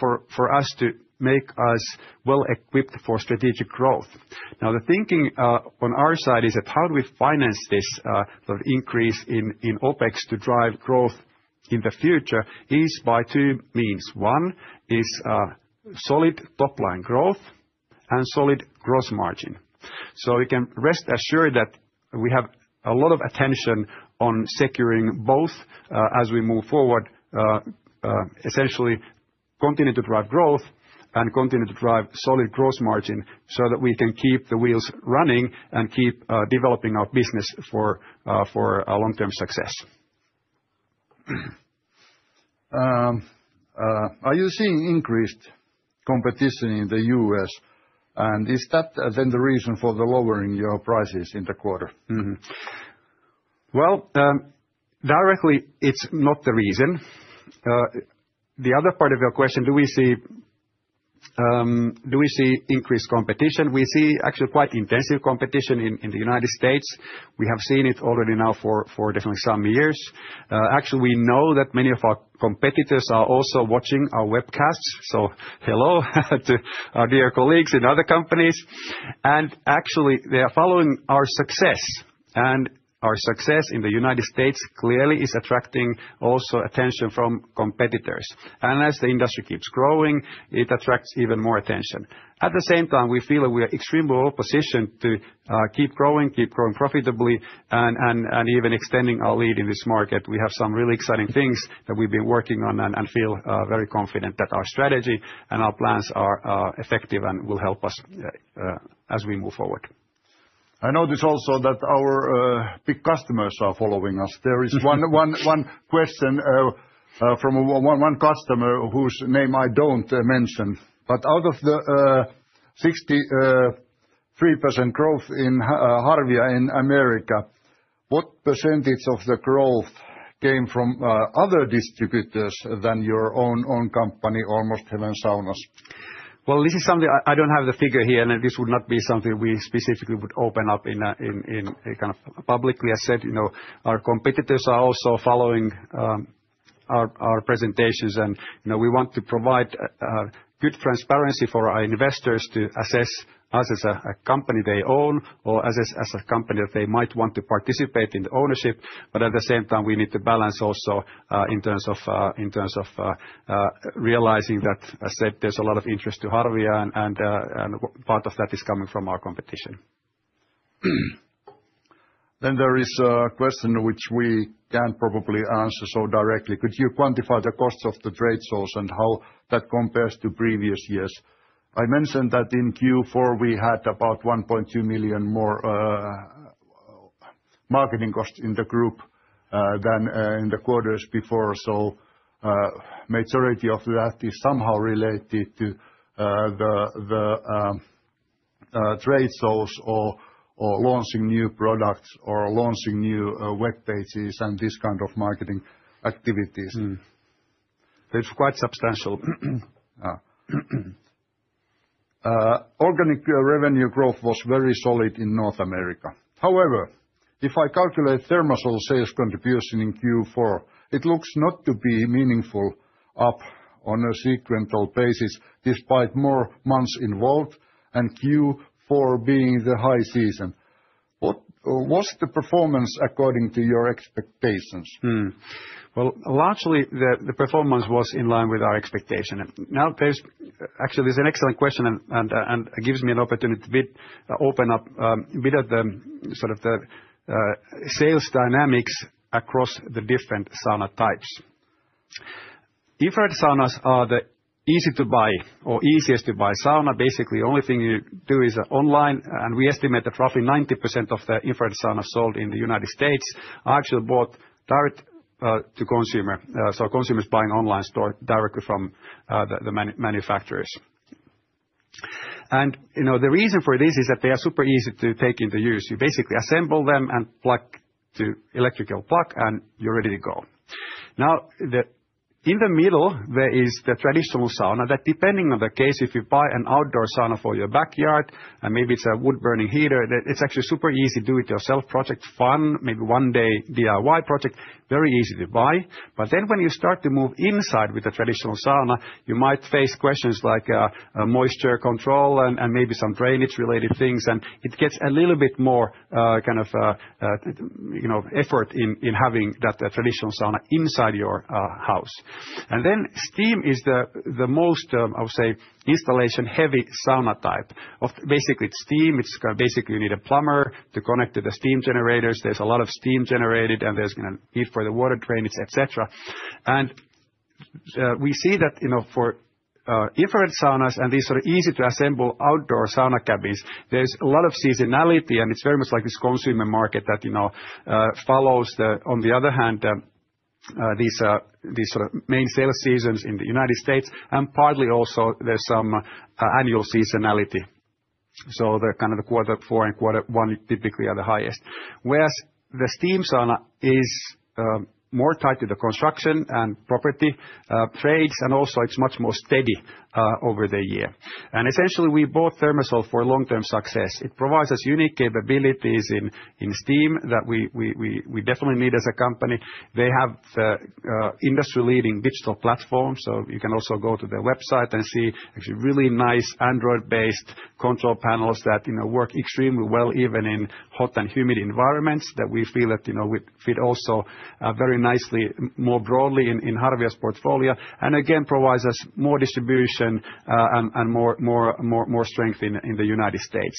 for us to make us well equipped for strategic growth. Now the thinking on our side is that how do we finance this increase in OpEx to drive growth in the future is by two means. One is solid top line growth and solid gross margin. So we can rest assured that we have a lot of attention on securing both as we move forward. Essentially continue to drive growth and continue to drive solid gross margin so that we can keep the wheels running and keep developing our business for long-term success. Are you seeing increased competition in the U.S. and is that then the reason for lowering your prices in the quarter? Directly it's not the reason. The other part of your question we see increased competition? We see actually quite intensive competition in the United States. We have seen it already now for some years actually. We know that many of our competitors are also watching our webcasts, so hello to our dear colleagues in other companies, and actually they are following our success, and our success in the United States clearly is attracting also attention from competitors, and as the industry keeps growing, it attracts even more attention. At the same time, we feel that we are extremely well positioned to keep growing, keep growing profitably and even extending our lead in this market. We have some really exciting things that we've been working on and feel very confident that our strategy and our plans are effective and will help us as we move forward. I notice also that our big customers are following us. There is one question from one customer whose name I don't mention. But out of the 63% growth in Harvia in America, what percentage of the growth came from other distributors than your own company? Almost Heaven Saunas. Well, this is something I don't have the figure here and this would not be something we specifically would open up in kind of publicly. I said, you know, our competitors are also following. Our presentations, and we want to provide good transparency for our investors to assess us as a company they own or as a company that they might want to participate in the ownership. But at the same time, we need to balance also in terms of realizing that there's a lot of interest to Harvia, and part of that is coming from our competition. Then, there is a question which we can probably answer so directly. Could you quantify the cost of the trade source and how that compares to previous years? I mentioned that in Q4 we had about 1.2 million more. Marketing costs in the group than in the quarters before. So majority of that is somehow related to the Trade shows or launching new products or launching new web pages and this kind of marketing activities. It's quite substantial. Organic revenue growth was very solid in North America. However, if I calculate ThermaSol sales contribution in Q4, it looks not to be meaningful upon a sequential basis despite more months involved and Q4 being the high season. What was the performance according to your expectations? Largely the performance was in line with our expectation. Now actually this is an excellent question and gives me an opportunity to open up a bit of the sort of sales dynamics across the different sauna types. Infrared saunas are the easy to buy or easiest to buy sauna. Basically the only thing you do is online and we estimate that roughly 90% of the infrared sauna sold in the United States are actually bought direct to consumer. So consumers buying online store directly from the manufacturers. The reason for this is that they are super easy to take into use. You basically assemble them and plug to electrical plug and you're ready to go. Now in the middle there is the traditional sauna that depending on the case, if you buy an outdoor sauna for your backyard and maybe it's a wood burning heater, it's actually super easy do it yourself, project fun, maybe one day DIY project, very easy to buy. When you start to move inside with the traditional sauna, you might face questions like moisture control and maybe some drainage related things and it gets a little bit more kind of effort in having that traditional sauna inside your house. Steam is the most, I would say installation heavy sauna type. Basically it's steam. Basically you need a plumber to connect to the steam generators. There's a lot of steam generated and there's need for the water drainage, etcetera. And we see that for infrared saunas and these are easy to assemble outdoor sauna cabins. There's a lot of seasonality and it's very much like this consumer market that follows. On the other hand. These sort of main sales seasons in the United States and partly also there's some annual seasonality so the kind of Q4 and Q1 typically are the highest whereas the steam sauna is more tied to the construction and property trades and also it's much more steady over the year, and essentially we bought ThermaSol for long-term success. It provides us unique capabilities in steam that we definitely need as a company. They have industry-leading digital platform so you can also go to their website and see really nice Android-based control panels that work extremely well even in hot and humid environments that we feel that would fit also very nicely more broadly in Harvia's portfolio and again provides us more distribution and more strength in the United States.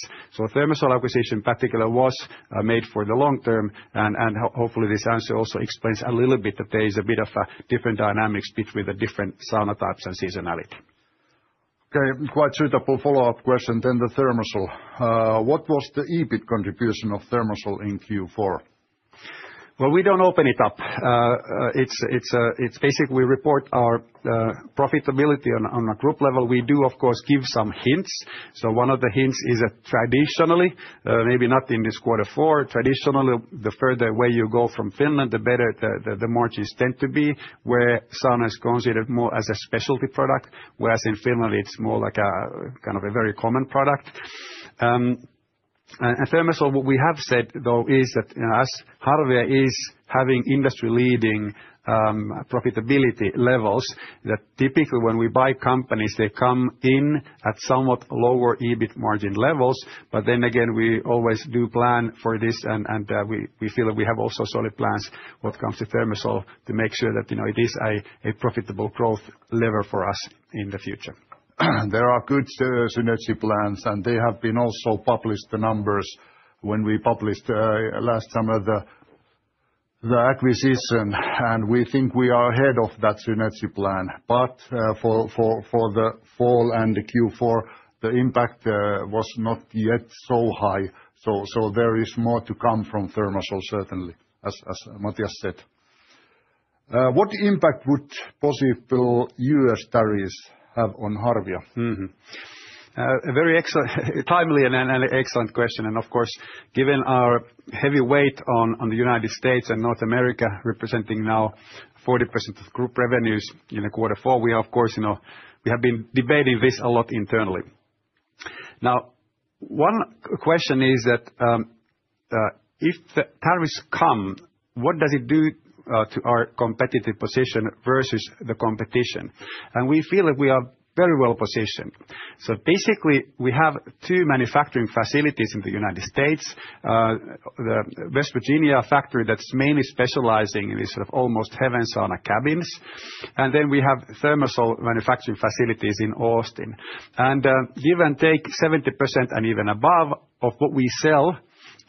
ThermaSol acquisition in particular was made for the long-term and hopefully this answer also explains a little bit that there is a bit of different dynamics between the different sauna types and seasonality. Okay, quite suitable follow up question then. The ThermaSol. What was the EBIT contribution of ThermaSol in Q4? We don't open it up. It's basically we report our profitability on a group level. We do of course give some hints. So one of the hints is that traditionally, maybe not in this Q4, traditionally the further away you go from Finland the better the margins tend to be, where sauna is considered more as a specialty product, whereas in Finland it's more like kind of a very common product. And ThermaSol. So what we have said though is that as Harvia is having industry leading profitability levels that typically when we buy companies they come in at somewhat lower EBIT margin levels. But then again we always do plan for this and we feel that we have also solid plans when it comes to ThermaSol to make sure that it is a profitable growth lever for us in the future. There are good synergy plans and they have been also published the numbers when we published last summer the acquisition and we think we are ahead of that synergy plan. But for the fall and the Q4 the impact was not yet so high. So there is more to come from ThermaSol. Certainly, as Matias said, what impact would possible U.S. tariffs have on Harvia? Very timely and excellent question. Of course given our heavy weight on the United States and North America, representing now 40% of group revenues in the Q4 we of course, you know, we have been debating this a lot internally. Now one question is that if tariffs come, what does it do to our competitive position versus the competition? And we feel that we are very well positioned. So basically we have two manufacturing facilities in the United States, the West Virginia factory that's mainly specializing in these sort of Almost Heaven sauna cabins and then we have ThermaSol manufacturing facilities in Austin and give or take 70% and even above of what we sell,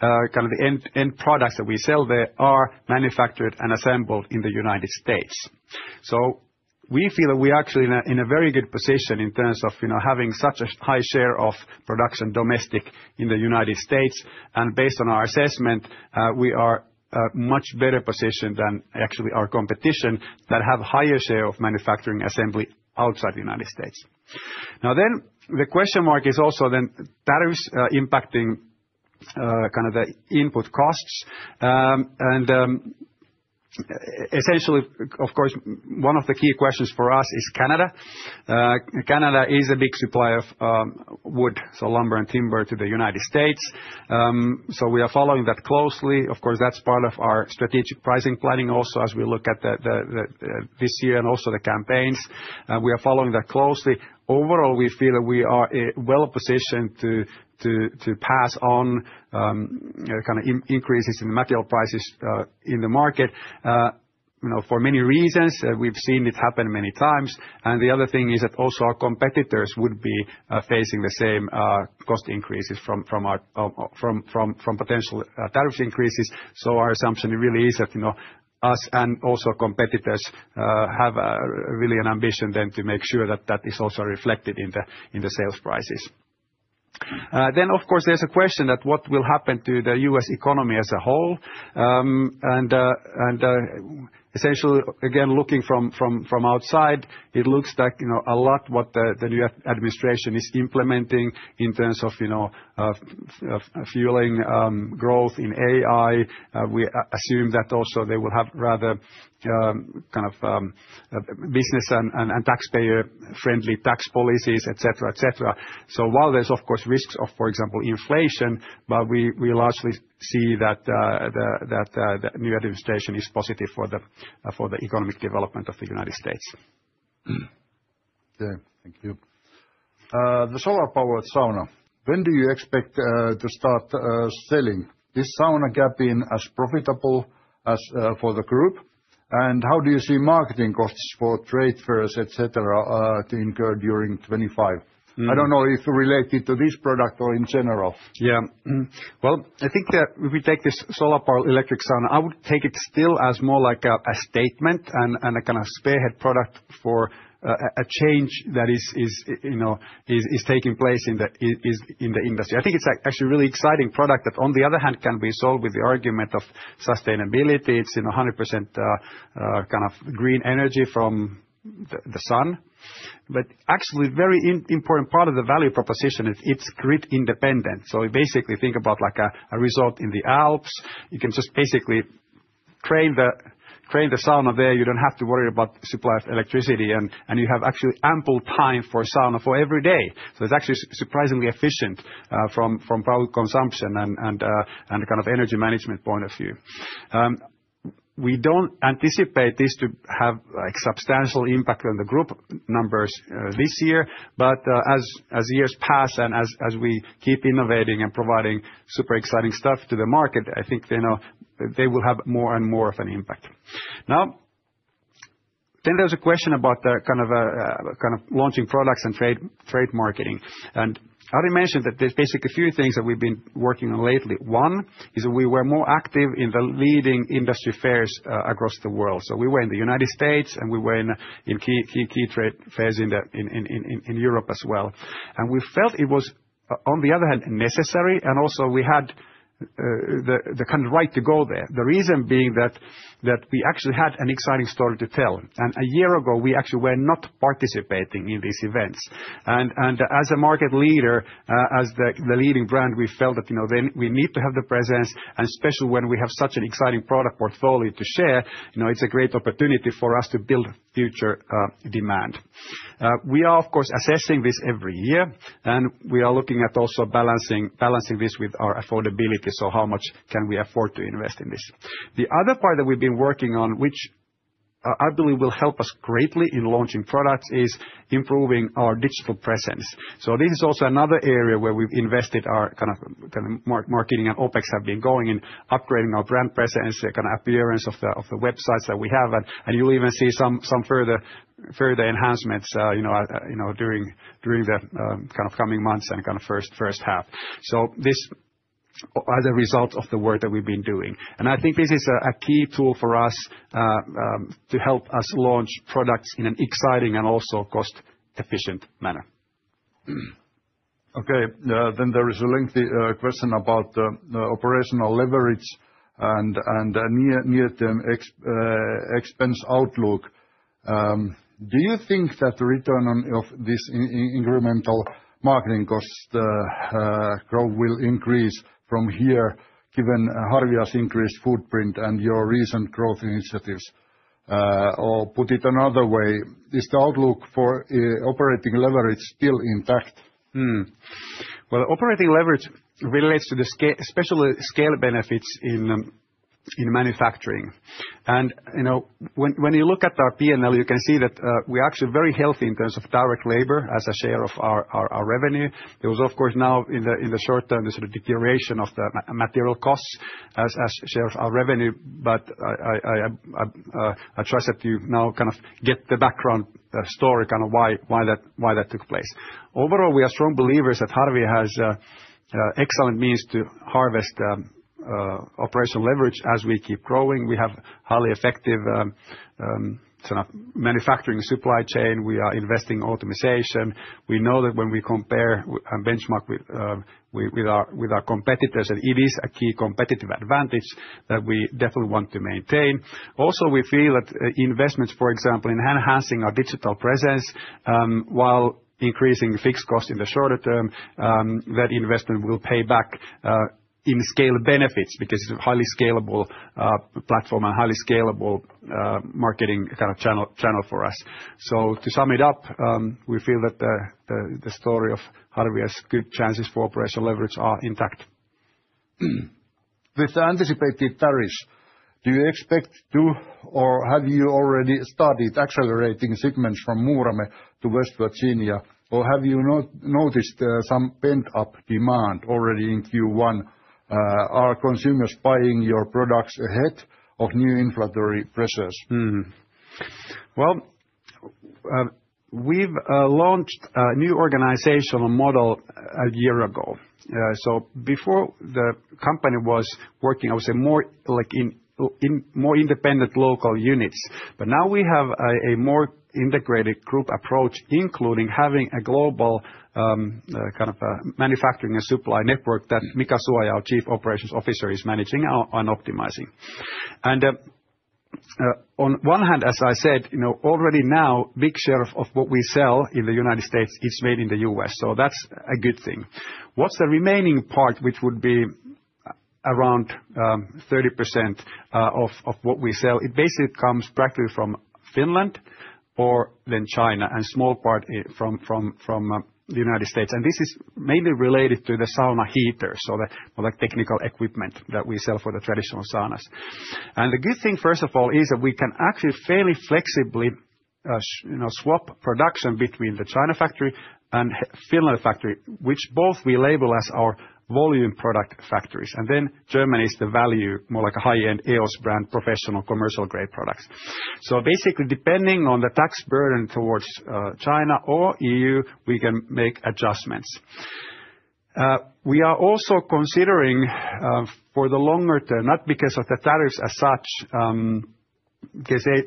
kind of the end products that we sell there are manufactured and assembled in the United States. So we feel that we are actually in a very good position in terms of having such a high share of production domestic in the United States. And based on our assessment, we are much better positioned than actually our competition that have higher share of manufacturing assembly outside the United States. Now then the question mark is also then that is impacting kind of the input costs. And. Essentially, of course, one of the key questions for us is Canada. Canada is a big supply of wood, so lumber and timber to the United States. So we are following that closely. Of course, that's part of our strategic pricing planning. Also, as we look at this year and also the campaigns, we are following that closely. Overall, we feel that we are well positioned to pass on kind of increases in material prices in the market for many reasons. We've seen it happen many times, and the other thing is that also our competitors would be facing the same cost increases. From potential tariff increases. So our assumption really is that U.S. and also competitors have really an ambition then to make sure that that is also reflected in the sales prices. Then of course there's a question that what will happen to the U.S. economy as a whole. Essentially again looking from outside, it looks like a lot what the new administration is implementing in terms of you know, Fueling growth in AI. We assume that also they will have rather kind of business and taxpayer friendly tax policies, etc. Etc. So while there's of course risks of for example inflation, but we largely see that new administration is positive for the economic development of the United States. Okay, thank you. The solar-powered sauna. When do you expect to start selling this sauna? Is it going to be as profitable as for the group? And how do you see marketing costs for trade fairs, etc., to incur during 2025? I don't know if it's related to this product or in general. Yeah, well, I think that if we take this solar-powered electric sauna, I would take it still as more like a statement and a kind of spearhead product for a change that is, you know, is taking place in the industry. I think it's actually a really exciting product that on the other hand can be sold with the argument of sustainability. It's 100% kind of green energy from the sun, but actually very important part of the value proposition is it's grid independent. So basically think about like a resort in the Alps. You can just basically. Turn the sauna there, you don't have to worry about supply of electricity and you have actually ample time for the sauna every day. So it's actually surprisingly efficient from power consumption and kind of energy management point of view. We don't anticipate this to have substantial impact on the group numbers this year, but as years pass and as we keep innovating and providing super exciting stuff to the market, I think they will have more and more of an impact. Now then, there was a question about kind of launching products and trade marketing. Ari mentioned that there's basically a few things that we've been working on lately. One is we were more active in the leading industry fairs across the world. We were in the United States and we were in key trade fairs in Europe as well. And we felt it was on the other hand necessary and also we had the kind of right to go there. The reason being that we actually had an exciting story to tell and a year ago we actually were not participating in these events and as a market leader, as the leading brand, we felt that we need to have the presence and especially when we have such an exciting product portfolio to share, it's a great opportunity for us to build future demand. We are of course assessing this every year and we are looking at also balancing this with our affordability. So how much can we afford to invest? The other part that we've been working on, which I believe will help us greatly in launching products, is improving our digital presence. This is also another area where we've invested, our kind of marketing and OpEx have been going in upgrading our brand presence, kind of appearance of the websites that we have, and you'll even see some further enhancements. During the coming months and kind of first half. So this as a result of the work that we've been doing. And I think this is a key tool for us to help us launch products in an exciting and also cost-efficient manner. Okay, then there is a lengthy question about operational leverage and near term expense outlook. Do you think that the return of this incremental marketing costs growth will increase from here given Harvia's increased footprint and your recent growth initiatives? Or put it another way, is the outlook for operating leverage still intact? Operating leverage relates to the special scale benefits in manufacturing. You know, when you look at our P&L, you can see that we actually very healthy in terms of direct labor as a share of our. There was of course now in the short term the sort of deterioration of the material costs as shares of revenue. But I trust that you now kind of get the background story, kind of why that took place. Overall, we are strong believers that Harvia has excellent means to harvest operational leverage. As we keep growing, we have highly effective. Manufacturing supply chain. We are investing optimization. We know that when we compare benchmark with our competitors that it is a key competitive advantage that we definitely want to maintain. Also, we feel that investments, for example, in enhancing our digital presence while increasing fixed costs in the shorter term, that investment will pay back in scale benefits because it's a highly scalable platform and highly scalable marketing kind of channel for us. So to sum it up, we feel that the story of Harvia has good chances for operational leverage are intact. With the anticipated tariffs. Do you expect to or have you already started accelerating segments from Muurame to West Virginia or have you noticed some pent-up demand already in Q1? Are consumers buying your products ahead of new inflationary pressures? Well. We've launched a new organizational model a year ago, so before the company was working, I would say, more like in more independent local units, but now we have a more integrated group approach, including having a global kind of manufacturing and supply network that Mika Suoja, our Chief Operations Officer, is managing and optimizing, and on one hand, as I said already, now big share of what we sell in the United States is made in the US, so that's a good thing. What's the remaining part, which would be around 30% of what we sell? It basically comes practically from Finland or then China and small part from the United States. And this is mainly related to the sauna heater, so the technical equipment that we sell for the traditional saunas. The good thing first of all is that we can actually fairly flexibly swap production between the China factory and Finland factory, which both we label as our volume product factories. And then Germany is the value more like a high-end EOS brand, professional commercial grade products. Basically depending on the tax burden towards China or EU we can make adjustments. We are also considering for the longer term not because of the tariffs as such.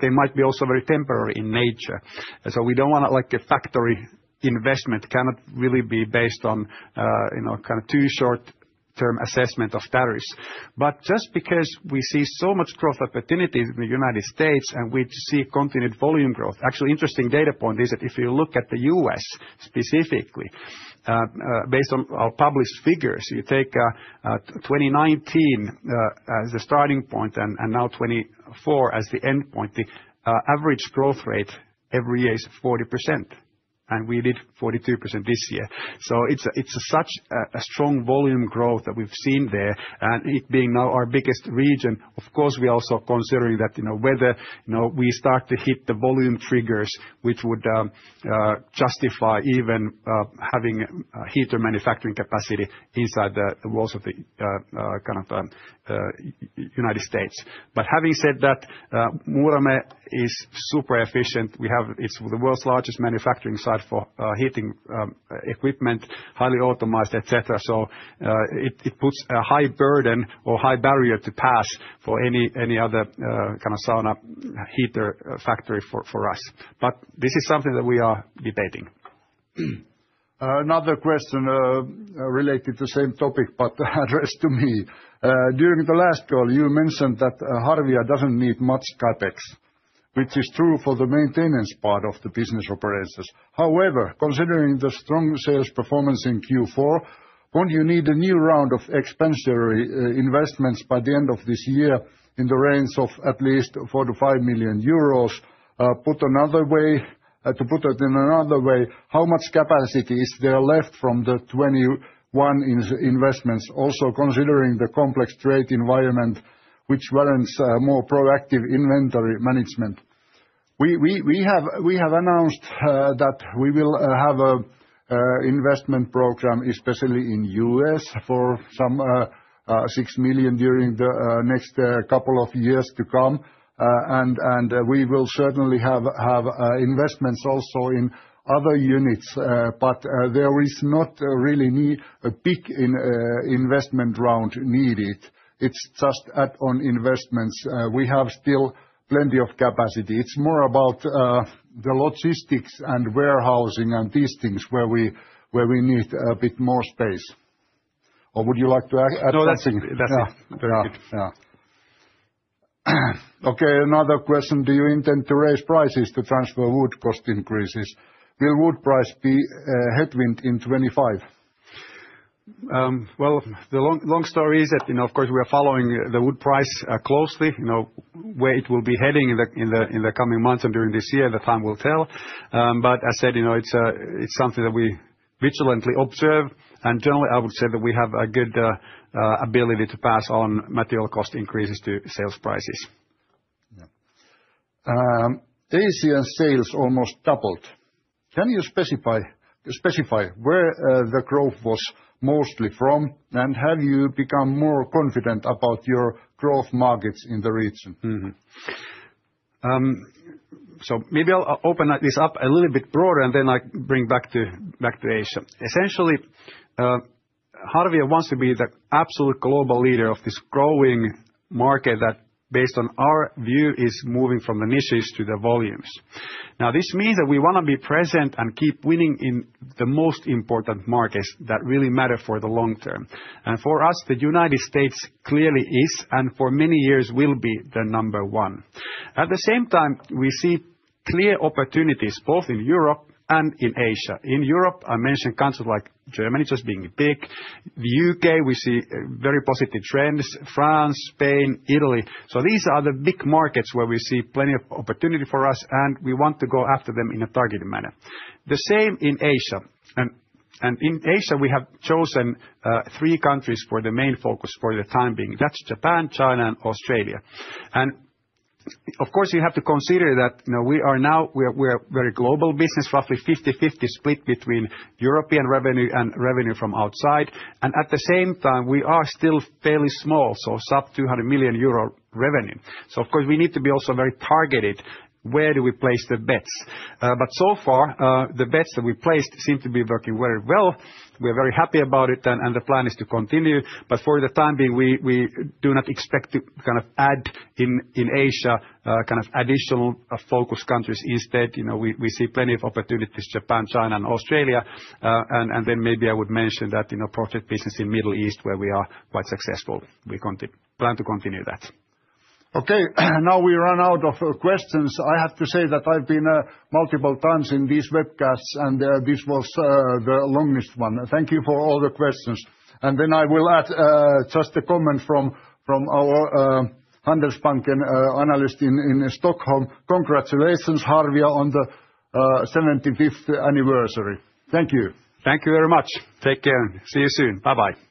They might be also very temporary in nature. So we don't want like a factory investment cannot really be based on, you know, kind of too short-term assessment of tariffs. But just because we see so much growth opportunities in the United States and we see continued volume growth. Actually interesting data point is that if you look at the US specifically based on our published figures, you take 2019 as the starting point and now 2024 as the end point. The average growth rate every year is 40% and we did 42% this year. So it's such a strong volume growth that we've seen there. And it being now our biggest region of course we also considering that whether we start to hit the volume triggers which would justify even having heater manufacturing capacity inside the walls of the kind of United States. But having said that, Muurame is super efficient. We have. It's the world's largest manufacturing site for heating equipment, highly automated, etc. So it puts a high burden or high barrier to pass for any other kind of sauna heater factory for us. But this is something that we are debating. Another question related to same topic but addressed to me during the last call. You mentioned that Harvia doesn't need much CapEx which is true for the maintenance part of the business operations. However, considering the strong sales performance in Q4, won't you need a new round of expansionary investments by the end of this year in the range of at least EUR 4 million-EUR 5 million? Put another way, how much capacity is there left from the 2021 investments? Also, considering the complex trade environment which warrants more proactive inventory management. We have announced that we will have an investment program especially in U.S. for some 6 million during the next couple of years to come. And we will certainly have investments also in other units. But there is not really a big investment round needed. It's just add on investments. We have still plenty of capacity. It's more about the logistics and warehousing and these things where we need a bit more space. Or would you like to add something? Okay, another question. Do you intend to raise prices to transfer wood cost increases? Will wood price be a headwind in 2025? The long story is that of course we are following the wood price closely where it will be heading in the coming months and during this year, the time will tell. I said it's something that we vigilantly observe and generally I would say that we have a good ability to pass on material cost increases to sales prices. ASEAN sales almost doubled. Can you specify where the growth was mostly from? And have you become more confident about your growth markets in the region? So maybe I'll open this up a little bit broader and then I bring back to Asia. Essentially, Harvia wants to be the absolute global leader of this growing market that based on our view, is moving from the niches to the volumes. Now this means that we want to be present and keep winning in the most important markets that really matter for the long-term. And for us, the United States clearly is and for many years will be the number one. At the same time we see clear opportunities both in Europe and in Asia. In Europe, I mentioned countries like Germany just being big, the U.K. We see very positive trends. France, Spain, Italy. So these are the big markets where we see plenty of opportunity for us and we want to go after them in a targeted manner. The same in Asia. In Asia we have chosen three countries for the main focus for the time being, that's Japan, China and Australia. Of course you have to consider that we are now a very global business, roughly 50-50 split between European revenue and revenue from outside. At the same time we are still fairly small, so sub 200 million euro revenue. Of course we need to be also very targeted. Where do we place the bets? So far the bets that we placed seem to be working very well. We are very happy about it and the plan is to continue. For the time being we do not expect to kind of add in Asia kind of additional focus countries. Instead, you know, we see plenty of opportunities. Japan, China and Australia. And then maybe I would mention that in our project business in Middle East, where we are quite successful, we plan to continue that. Okay, now we run out of questions. I have to say that I've been multiple times in these webcasts and this was the longest one. Thank you for all the questions. And then I will add just a comment from our Handelsbanken analyst in Stockholm. Congratulations, Harvia, on the 75th anniversary. Thank you. Thank you very much. Take care. See you soon. Bye bye.